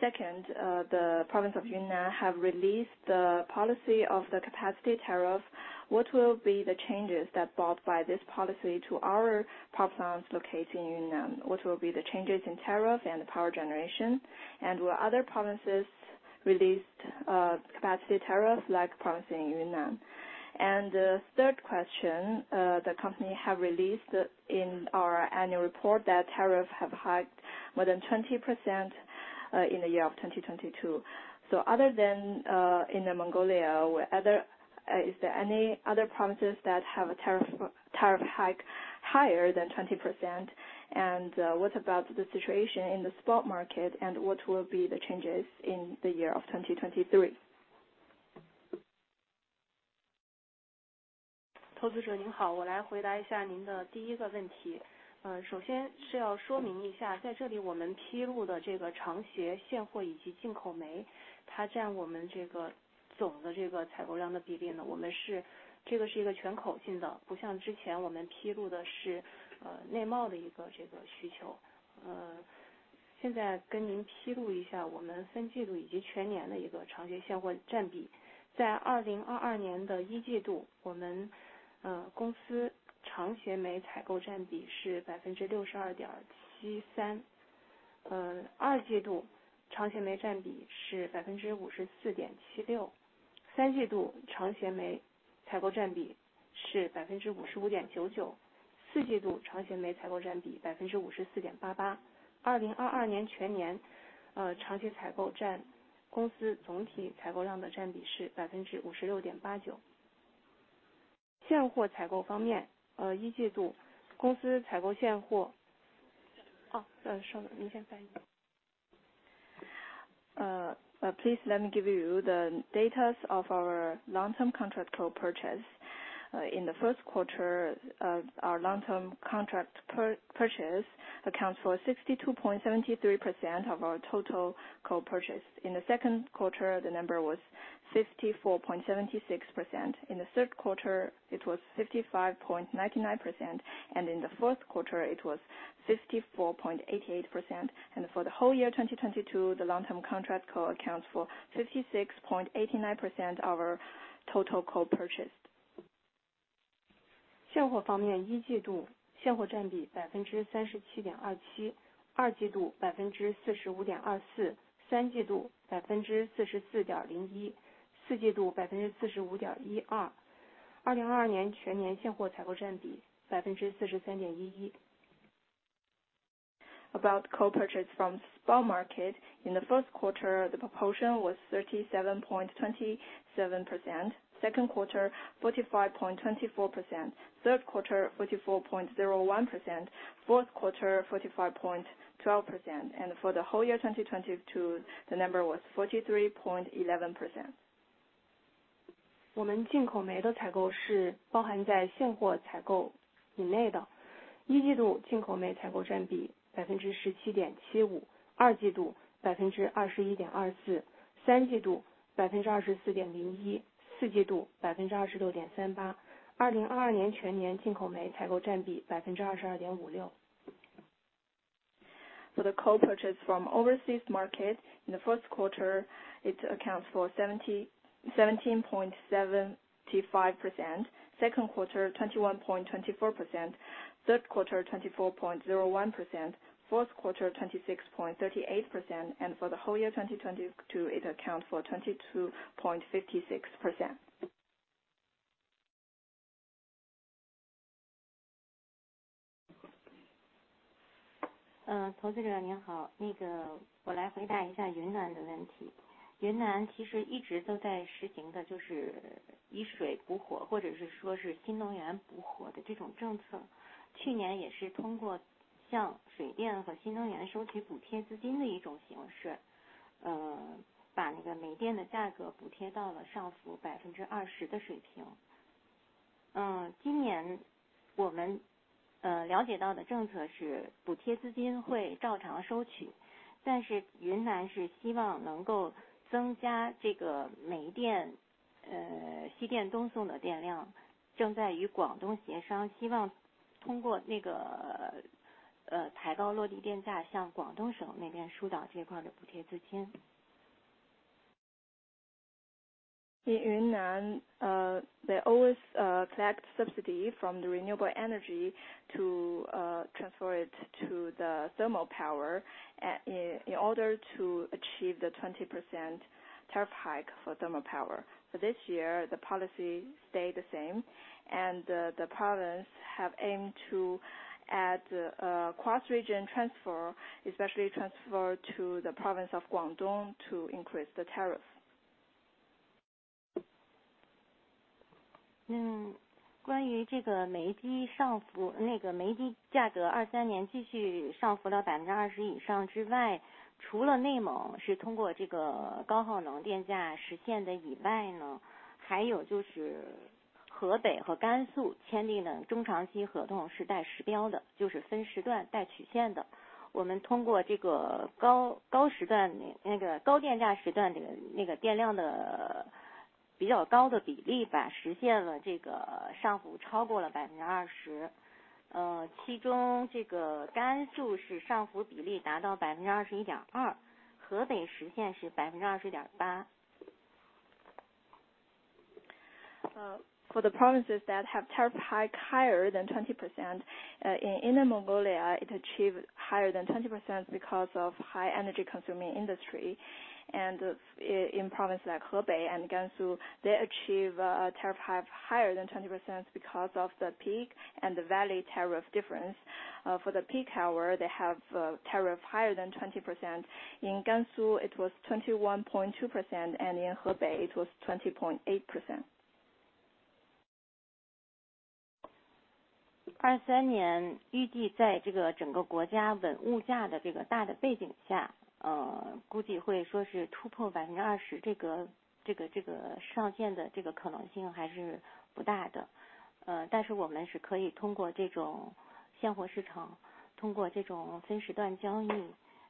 Second, the province of Yunnan have released the policy of the capacity tariff. What will be the changes that brought by this policy to our power plants located in Yunnan? What will be the changes in tariff and power generation? Will other provinces released capacity tariffs like province in Yunnan? Third question, the company have released in our annual report that tariff have hiked more than 20% in the year of 2022. Other than in the Mongolia, is there any other provinces that have a tariff hike higher than 20%? What about the situation in the spot market and what will be the changes in the year of 2023? Please let me give you the data of our long-term contract coal purchase. In the first quarter, our long-term contract purchase accounts for 62.73% of our total coal purchase. In the second quarter, the number was 54.76%. In the third quarter, it was 55.99%, and in the fourth quarter it was 54.88%. For the whole year 2022, the long-term contract coal accounts for 56.89% of our total coal purchased. About coal purchase from spot market. In the first quarter, the proportion was 37.27%, second quarter 45.24%, third quarter 44.01%, fourth quarter 45.12%. For the whole year 2022, the number was 43.11%. For the coal purchase from overseas market. In the first quarter, it accounts for 17.75%, second quarter 21.24%, third quarter 24.01%, fourth quarter 26.38%. For the whole year 2022, it accounts for 22.56%. 嗯， 投资者您 好， 那个我来回答一下云南的问题。云南其实一直都在实行 的， 就是以水补 火， 或者是说是新能源补火的这种政 策， 去年也是通过向水电和新能源收取补贴资金的一种形 式， 呃， 把那个煤电的价格补贴到了上浮百分之二十的水平。呃， 今年我 们， 呃， 了解到的政策是补贴资金会照常收 取， 但是云南是希望能够增加这个煤 电， 呃， 西电东送的电 量， 正在与广东协 商， 希望通过那 个， 呃， 抬高落地电 价， 向广东省那边疏导这块的补贴资金。In Yunnan, they always, collect subsidy from the renewable energy to, transfer it to the thermal power in order to achieve the 20% tariff hike for thermal power. For this year, the policy stay the same and, the province have aimed to add, cross-region transfer, especially transfer to the province of Guangdong to increase the tariff. 嗯， 关于这个煤机上 浮， 那个煤机价格二三年继续上浮到百分之二十以上之 外， 除了内蒙是通过这个高耗能电价实现的以外 呢， 还有就是河北和甘肃签订的中长期合同是带时标 的， 就是分时段带曲线的。我们通过这个 高， 高时 段， 那个高电价时 段， 这个那个电量的比较高的比例 吧， 实现了这个上浮超过了百分之二 十， 呃， 其中这个甘肃是上浮比例达到百分之二十一点 二， 河北实现是百分之二十点八。For the provinces that have tariff hike higher than 20%, in Inner Mongolia, it achieved higher than 20% because of high energy consuming industry. In province like Hebei and Gansu, they achieve a tariff hike higher than 20% because of the peak and the valley tariff difference. For the peak hour, they have tariff higher than 20%. In Gansu, it was 21.2%, and in Hebei it was 20.8%. 二三年预计在这个整个国家稳物价的这个大的背景 下， 呃， 估计会说是突破百分之二十这 个， 这 个， 这个上限的这个可能性还是不大的。呃， 但是我们是可以通过这种现货市 场， 通过这种分时段交 易，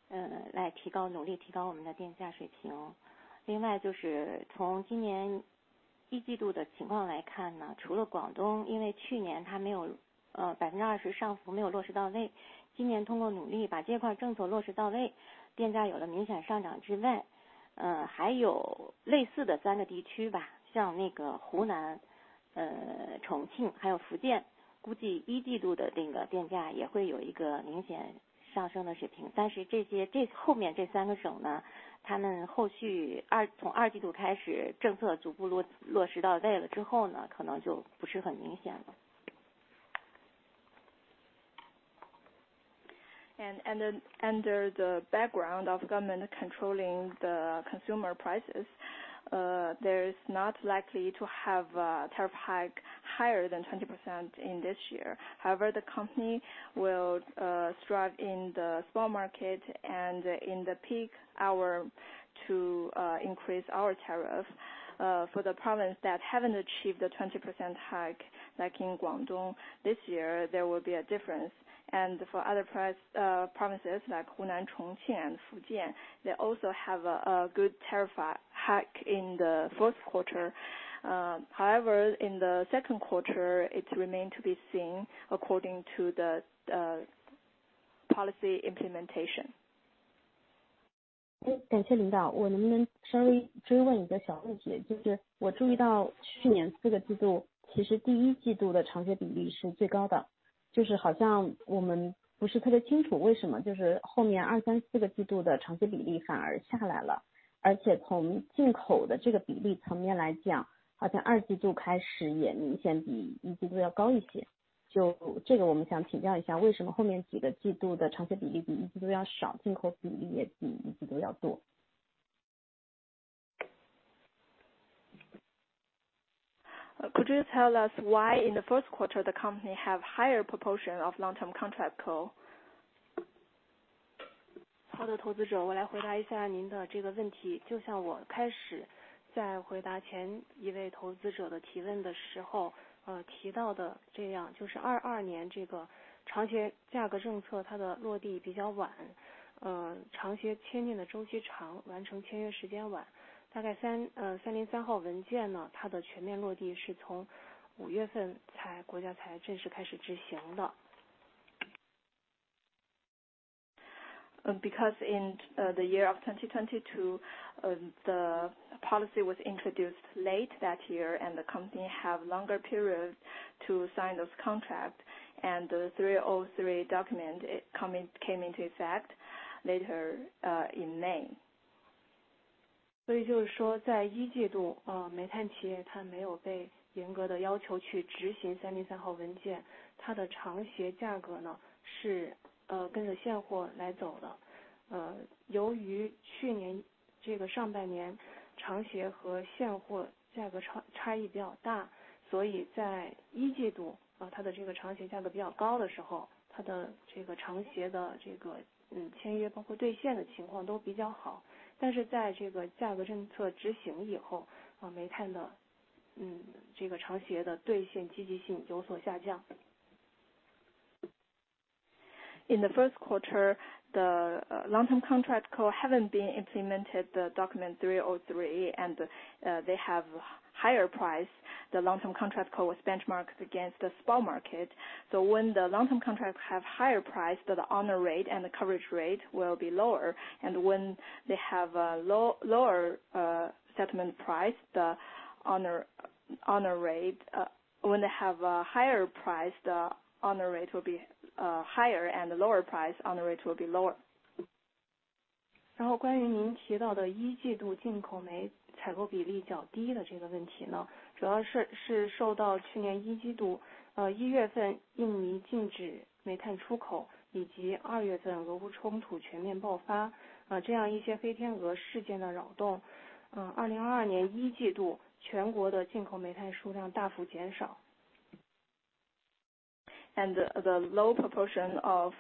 呃， 来提 高， 努力提高我们的电价水平。另外就是从今年一季度的情况来看 呢， 除了广 东， 因为去年它没 有， 呃， 百分之二十上浮没有落实到 位， 今年通过努力把这块政策落实到 位， 电价有了明显上涨之 外， 呃， 还有类似的三的地区 吧， 像那个湖 南， 呃， 重 庆， 还有福 建， 估计一季度的这个电价也会有一个明显上升的水平。但是这 些， 这后面这三个省 呢， 他们后续二--从二季度开 始， 政策逐步落-落实到位了之后 呢， 可能就不是很明显了。Then under the background of government controlling the consumer prices. There's not likely to have a tariff hike higher than 20% in this year. However, the company will strive in the small market and in the peak hour to increase our tariff. For the province that haven't achieved the 20% hike, like in Guangdong, this year, there will be a difference. For other price provinces like Hunan, Chongqing, Fujian, they also have a good tariff hike in the fourth quarter. However, in the second quarter, it remain to be seen according to the policy implementation. 感谢领 导， 我能不能稍微追问一个小问 题， 就是我注意到去年四个季 度， 其实第一季度的长协比例是最高 的， 就是好像我们不是特别清楚为什 么， 就是后面二三四个季度的长协比例反而下来 了， 而且从进口的这个比例层面来 讲， 好像二季度开始也明显比一季度要高一些。就这个我们想请教一 下， 为什么后面几个季度的长协比例比一季度要 少， 进口比例也比一季度要多。Could you tell us why in the first quarter the company have higher proportion of long-term contract coal? 好的投资 者， 我来回答一下您的这个问题。就像我开始在回答前一位投资者的提问的时 候， 呃提到的这 样， 就是二二年这个长协价格政策它的落地比较 晚， 呃长协签订的周期 长， 完成签约时间晚。大概 三， 呃三零三号文件 呢， 它的全面落地是从五月份 才， 国家才正式开始执行的。In the year of 2022, the policy was introduced late that year, and the company have longer period to sign those contract and the Document 303 came into effect later in May. 所以就是说在一季 度， 呃， 煤炭企业它没有被严格的要求去执行三零三号文 件， 它的长协价格呢是 呃， 跟着现货来走的。呃， 由于去年这个上半年长协和现货价格差-差异比较 大， 所以在一季 度， 啊它的这个长协价格比较高的时 候， 它的这个长协的这个嗯签约包括兑现的情况都比较好。但是在这个价格政策执行以 后， 呃煤炭的 嗯， 这个长协的兑现积极性有所下降。In the first quarter, the long-term contract coal haven't been implemented the Document 303 and they have higher price. The long-term contract coal was benchmark against the small market. When the long-term contract have higher price, but the honor rate and the coverage rate will be lower, and when they have a lower settlement price, the honor rate. When they have a higher price, the honor rate will be higher and lower price on the rate will be lower. 关于您提到的一季度进口煤采购比例较低的这个问题 呢， 主要是受到去年一季 度， 一月份印尼禁止煤炭出 口， 以及二月份俄乌冲突全面爆 发， 这样一些黑天鹅事件的扰动。2022年一季 度， 全国的进口煤炭数量大幅减少。The low proportion of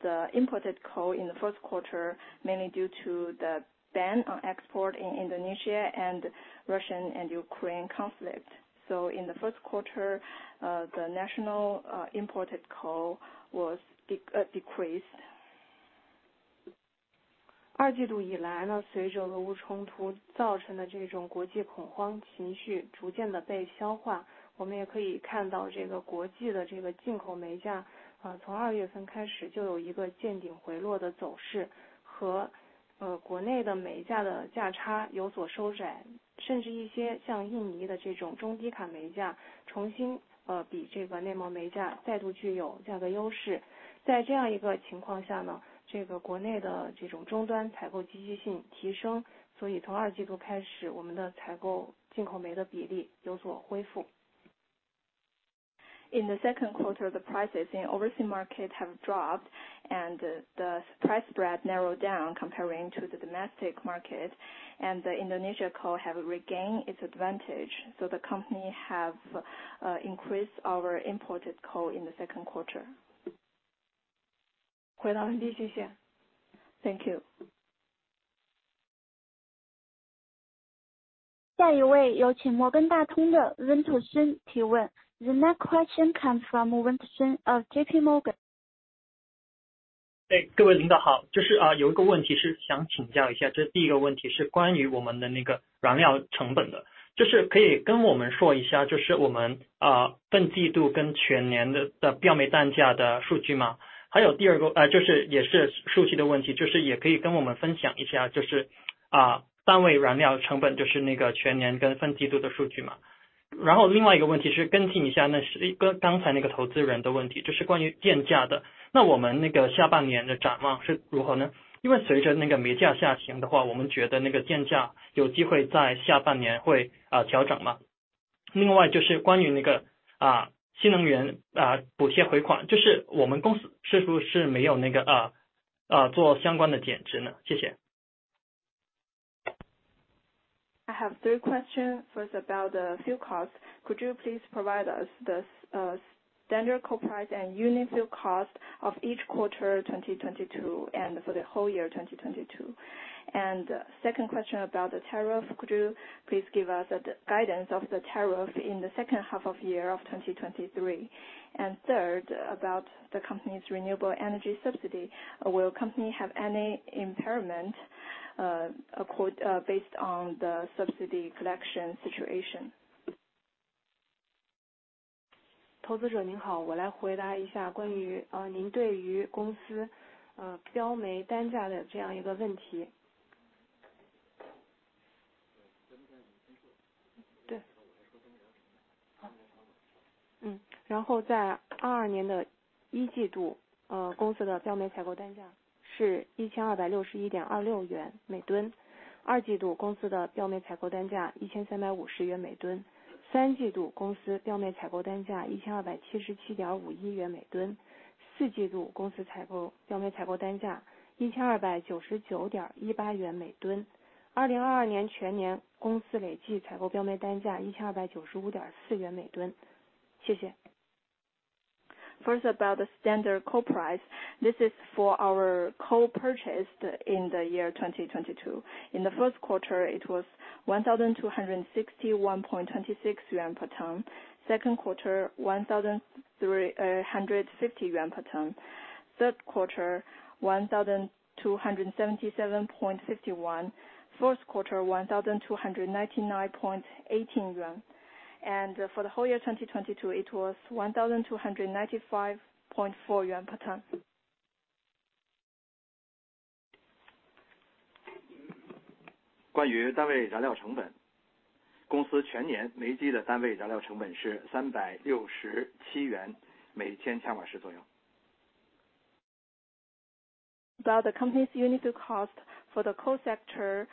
the imported coal in the first quarter, mainly due to the ban on export in Indonesia and Russia-Ukraine conflict. In the first quarter, the national imported coal was decreased. 二季度以来 呢， 随着俄乌冲突造成的这种国际恐慌情绪逐渐地被消 化， 我们也可以看 到， 这个国际的这个进口煤 价， 啊从二月份开始就有一个见顶回落的走 势， 和呃国内的煤价的价差有所收 窄， 甚至一些像印尼的这种中低卡煤价重新呃比这个内蒙煤价再度具有价格优势。在这样一个情况下 呢， 这个国内的这种终端采购积极性提 升， 所以从二季度开 始， 我们的采购进口煤的比例有所恢复。In the second quarter, the prices in overseas market have dropped and the price spread narrowed down comparing to the domestic market and the Indonesia coal have regained its advantage, so the company have increased our imported coal in the second quarter. 回答很详 细， 谢 谢. Thank you. 下一位有请摩根大通的文图森提问。The next question come from 文图森 of JPMorgan. 哎， 各位领导 好， 就是 啊， 有一个问题是想请教一 下， 这第一个问题是关于我们的那个燃料成本 的， 就是可以跟我们说一 下， 就是我们 啊， 本季度跟全年的-的标煤单价的数据 吗？ 还有第二 个， 呃， 就是也是数据的问 题， 就是也可以跟我们分享一 下， 就是 啊， 单位燃料成 本， 就是那个全年跟分季度的数据嘛。然后另外一个问题是跟进一 下， 那是跟刚才那个投资人的问 题， 就是关于电价 的， 那我们那个下半年的展望是如何 呢？ 因为随着那个煤价下行的 话， 我们觉得那个电价有机会在下半年会啊调整吗 ？另 外就是关于那 个， 啊， 新能 源， 啊， 补贴回 款， 就是我们公司是不是没有那 个， 啊， 啊做相关的减值呢？谢谢。I have three questions, first about the fuel cost. Could you please provide us the standard coal price and unit fuel cost of each quarter 2022 and for the whole year 2022? Second question about the tariff. Could you please give us the guidance of the tariff in the second half of year of 2023? Third about the company's renewable energy subsidy. Will company have any impairment based on the subsidy collection situation? 投资者您 好， 我来回答一下关 于， 呃， 您对于公 司， 呃， 标煤单价的这样一个问题。单价你先说。对. 我 说. 在2022年的 Q1， 公司的标煤采购单价是 1,261.26 CNY per ton。Q2 公司的标煤采购单价 1,350 CNY per ton。Q3 公司标煤采购单价 1,277.51 CNY per ton。Q4 公司采 购， 标煤采购单价 1,299.18 CNY per ton。2022年全 年， 公司累计采购标煤单价 1,295.4 CNY per ton。Thank you. First, about the standard coal price. This is for our coal purchased in the year 2022. In the first quarter, it was 1,261.26 yuan per ton. Second quarter, 1,350 yuan per ton. Third quarter, 1,277.51. Fourth quarter, 1,299.18 yuan. For the whole year 2022, it was 1,295.4 yuan per ton. 关于单位燃料成 本， 公司全年煤机的单位燃料成本是三百六十七元每千千瓦时左右。About the company's unit cost for the coal sector,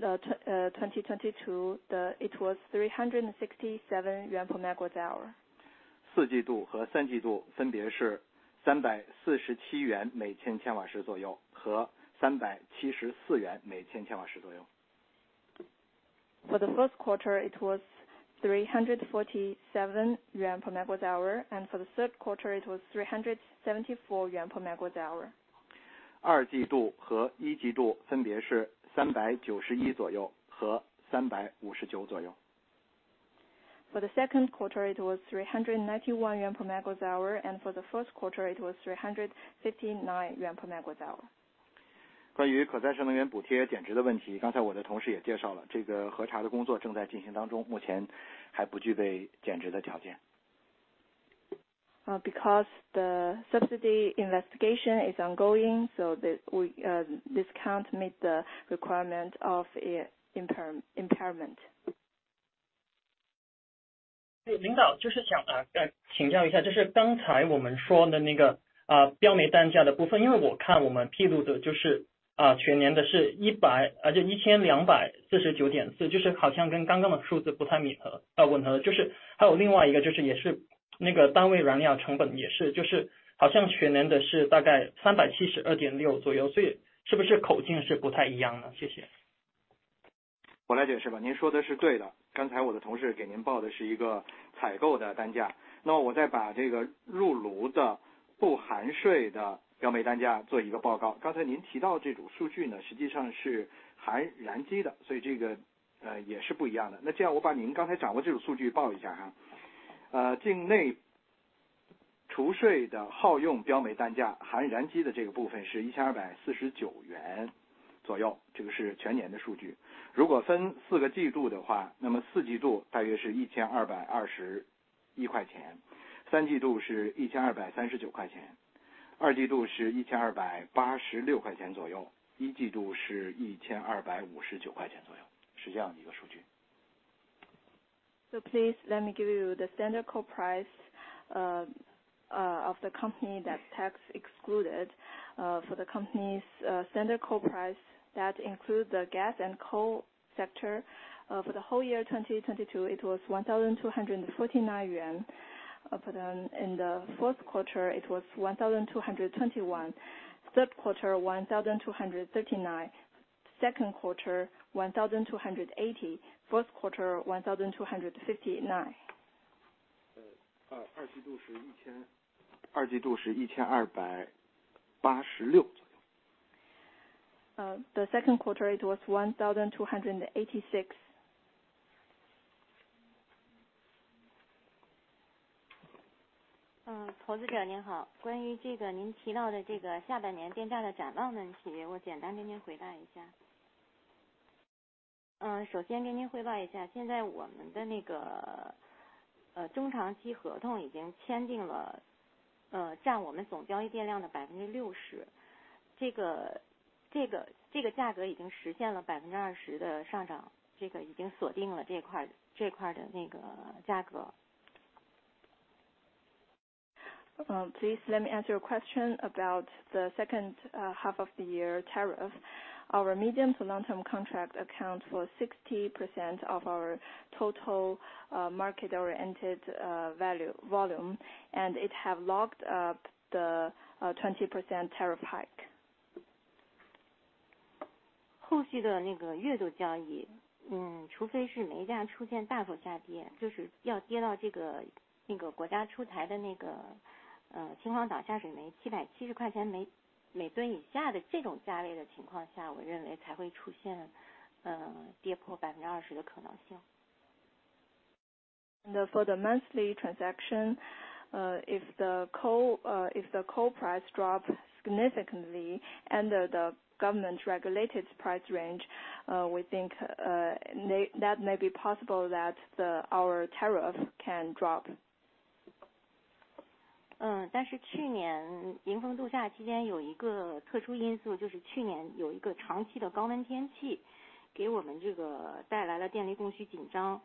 2022, it was CNY 367 per MWh. 四季度和三季度分别是三百四十七元每千千瓦时左右和三百七十四元每千千瓦时左右。For the first quarter it was 347 yuan per MWh, and for the third quarter it was 374 yuan per MWh. 二季度和一季度分别是三百九十一左右和三百五十九左右。For the second quarter it was 391 yuan per MWh, and for the first quarter it was 359 yuan per MWh. 关于可再生能源补贴减值的问 题, 刚才我的同事也介绍 了, 这个核查的工作正在进行当 中, 目前还不具备减值的条 件. Because the subsidy investigation is ongoing, so this can't meet the requirement of impairment. 领导就是想请教一 下， 就是刚才我们说的那个标煤单价的部 分， 因为我看我们披露的全年的是 CNY 1,249.4， 就是好像跟刚刚的数字不太吻合。就是还有另外一个就是也是那个单位燃料成 本， 也 是， 就是好像全年的是大概 CNY 372.6 左 右， 是不是口径是不太一样 呢？ 谢谢。我来解释吧。您说的是对的。刚才我的同事给您报的是一个采购的单价。我再把这个入炉的不含税的标煤单价做一个报告。刚才您提到这种数据 呢， 实际上是含燃机 的， 所以这个也是不一样的。这样我把您刚才掌握这种数据报一下。境内除税的耗用标煤单价含燃机的这个部分是 CNY 1,249 左右。这个是全年的数据。如果分4个季度的 话， 4Q 大约是 CNY 1,221， 3Q 是 CNY 1,239， 2Q 是 CNY 1,286 左 右， 1Q 是 CNY 1,259 左右。是这样一个数据。Please let me give you the standard coal price of the company that tax excluded for the company's standard coal price that includes the gas and coal sector. For the whole year 2022, it was 1,249 yuan. In the fourth quarter, it was 1,221. Third quarter, 1,239. Second quarter, 1,280. First quarter, 1,259. 呃， 二季度是一 千， 二季度是一千二百八十六。The second quarter it was 1,286. 投资者您 好， 关于这个您提到的这个下半年电价的涨价问 题， 我简单跟您回答一下。首先跟您汇报一 下， 现在我们的那 个， 中长期合同已经签订 了， 占我们总交易电量的 60%， 这个价格已经实现了 20% 的上 涨， 这个已经锁定了这 块， 这块的那个价格。Please let me answer your question about the second half of the year tariff. Our medium to long term contract accounts for 60% of our total market-oriented value, volume, and it have locked up the 20% tariff hike. 后续的那个月度交 易， 嗯， 除非是煤价出现大幅下 跌， 就是要跌到这 个， 这个国家出台的那 个， 呃， 秦皇岛下水煤七百七十块钱 每， 每吨以下的这种价位的情况 下， 我认为才会出 现， 呃， 跌破百分之二十的可能性。For the monthly transaction, if the coal, if the coal price drops significantly under the government regulated price range, we think that may be possible that the our tariff can drop. 嗯， 但是去年迎峰度夏期间有一个特殊因 素， 就是去年有一个长期的高温天 气， 给我们这个带来了电力供需紧张。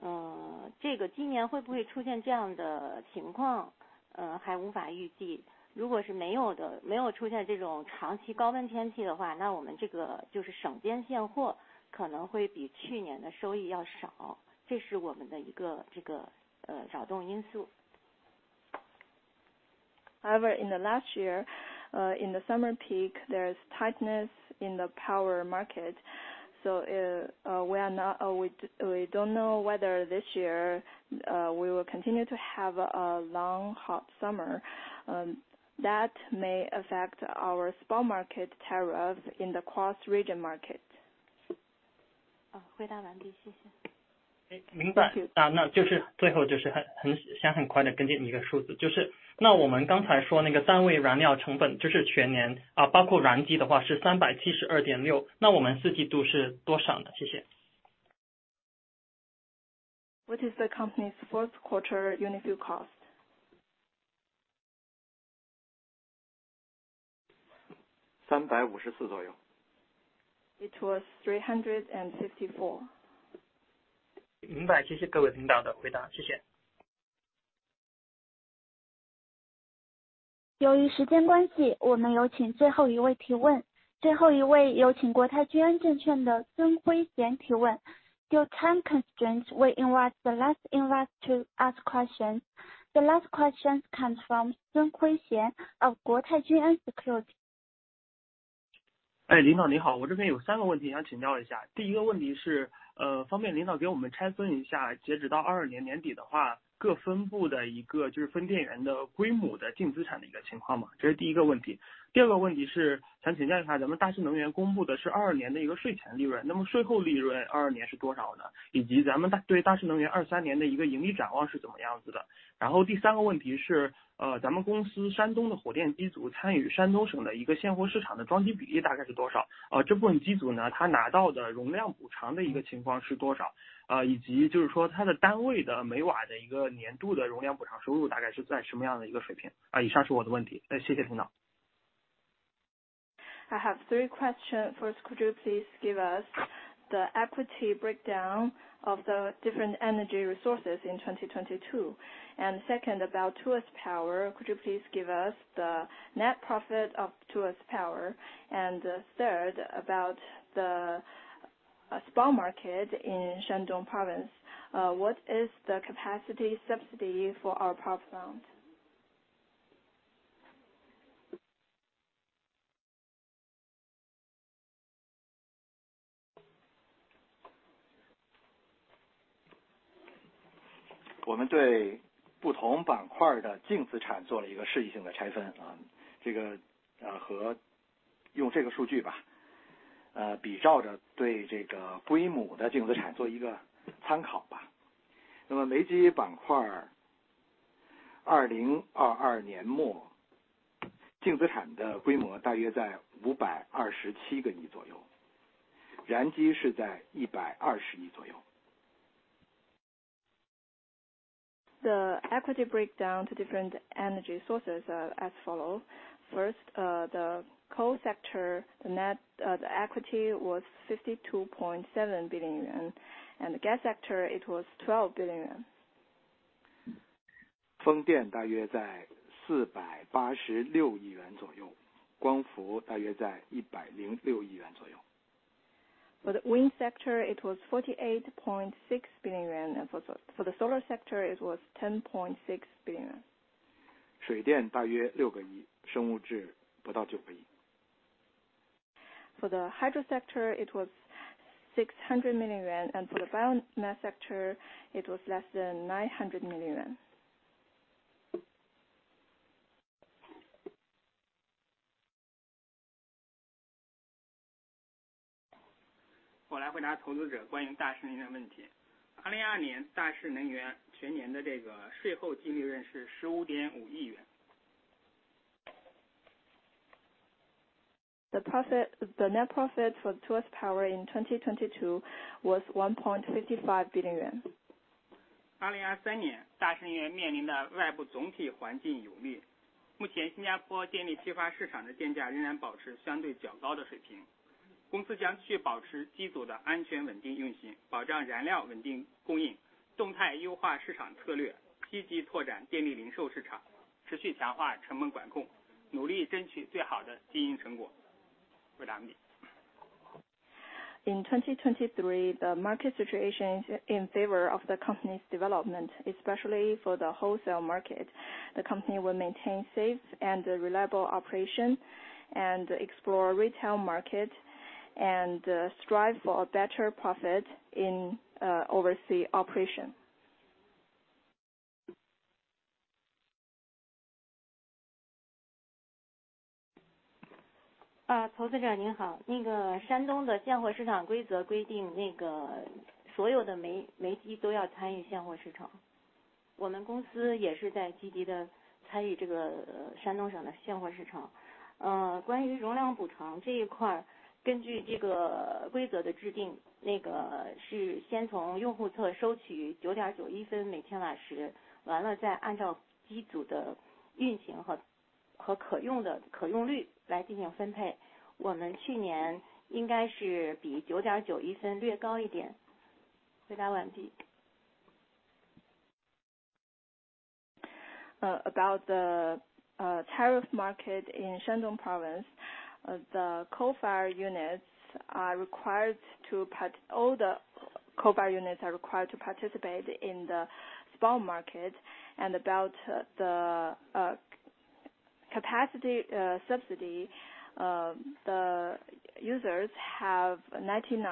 呃， 这个今年会不会出现这样的情 况， 呃， 还无法预计。如果是没有 的， 没有出现这种长期高温天气的 话， 那我们这个就是省电现货可能会比去年的收益要 少， 这是我们的一 个， 这 个， 呃， 扰动因素。In the last year, in the summer peak there's tightness in the power market. We don't know whether this year we will continue to have a long hot summer, that may affect our small market tariff in the cross region market. 回答完 毕， 谢谢。明白。那， 那就是最后就 是， 很， 想很快的跟进一个数 字， 就是那我们刚才说那个单位燃料成 本， 就是全 年， 啊包括燃机的话是三百七十二点 六， 那我们四季度是多少 呢？ 谢谢。What is the company's fourth quarter unit view cost? 三百五十四左右。It was 354. 明 白， 谢谢各位领导的回 答， 谢谢。由于时间关 系， 我们有请最后一位提 问， 最后一位有请国泰君安证券的孙辉贤提问。Due time constraints, we invite the last invite to ask question. The last question comes from 孙辉贤 of 国泰君安 Securities. 哎， 领导你 好， 我这边有三个问题想请教一 下， 第一个问题 是， 呃， 方便领导给我们拆分一 下， 截止到二二年年底的 话， 各分部的一个就是分电源的规模的净资产的一个情况 吗？ 这是第一个问题。第二个问题是想请教一 下， 咱们大势能源公布的是二二年的一个税前利 润， 那么税后利润二二年是多少 呢？ 以及咱们对大势能源二三年的一个盈利展望是怎么样子的？然后第三个问题 是， 呃， 咱们公司山东的火电机组参与山东省的一个现货市场的装机比例大概是多 少？ 呃， 这部分机组 呢， 它拿到的容量补偿的一个情况是多 少， 呃， 以及就是说它的单位的每瓦的一个年度的容量补偿收入大概是在什么样的一个水平。呃， 以上是我的问题。谢谢领导。I have three question. First, could you please give us the equity breakdown of the different energy resources in 2022? Second, about Tuas Power, could you please give us the net profit of Tuas Power? Third, about the spot market in Shandong Province, what is the capacity subsidy for our power plant? 我们对不同板块的净资产做了一个适宜性的拆 分， 这个和用这个数据 吧， 呃， 比照着对这个规模的净资产做一个参考吧。那么煤机板块二零二二年末净资产的规模大约在五百二十七个亿左 右， 燃机是在一百二十亿左右。The equity breakdown to different energy sources as follow. First, the coal sector the net the equity was 52.7 billion yuan, the gas sector it was 12 billion yuan. 风电大约在 CNY 48.6 billion 左 右， 光伏大约在 CNY 10.6 billion 左右。For the wind sector it was 48.6 billion yuan, and for the solar sector it was 10.6 billion yuan. 水电大约 CNY 600 million, 生物质不到 CNY 900 million. For the hydro sector it was 600 million yuan, and for the biomass sector it was less than 900 million yuan. 我来回答投资者关于大势能源的问 题. 2022大势能源全年的这个税后净利润是 15.5 billion CNY. The net profit for Tuas Power in 2022 was 1.55 billion yuan. 二零二三年大势能源面临的外部总体环境有利。目前新加坡电力批发市场的电价仍然保持相对较高的水平，公司将继续保持机组的安全稳定运 行， 保证燃料稳定供 应， 动态优化市场策 略， 积极拓展电力零售市 场， 持续强化成本管 控， 努力争取最好的经营成果。回答完毕。In 2023 the market situation in favor of the company's development, especially for the wholesale market. The company will maintain safe and reliable operation, and explore retail market, and strive for a better profit in oversea operation. 啊， 投资者您 好， 那个山东的现货市场规则规定那个所有的 煤， 煤机都要参与现货市 场， 我们公司也是在积极地参与这个山东省的现货市场。呃， 关于容量补偿这一块，根据这个规则的制 定， 那个是先从用户侧收取九点九一分每千瓦 时， 完了再按照机组的运行 和， 和可用的可用率来进行分配。我们去年应该是比九点九一分略高一点。回答完毕。About the tariff market in Shandong Province. All the coal fire units are required to participate in the small market. About the capacity subsidy, the users have 90-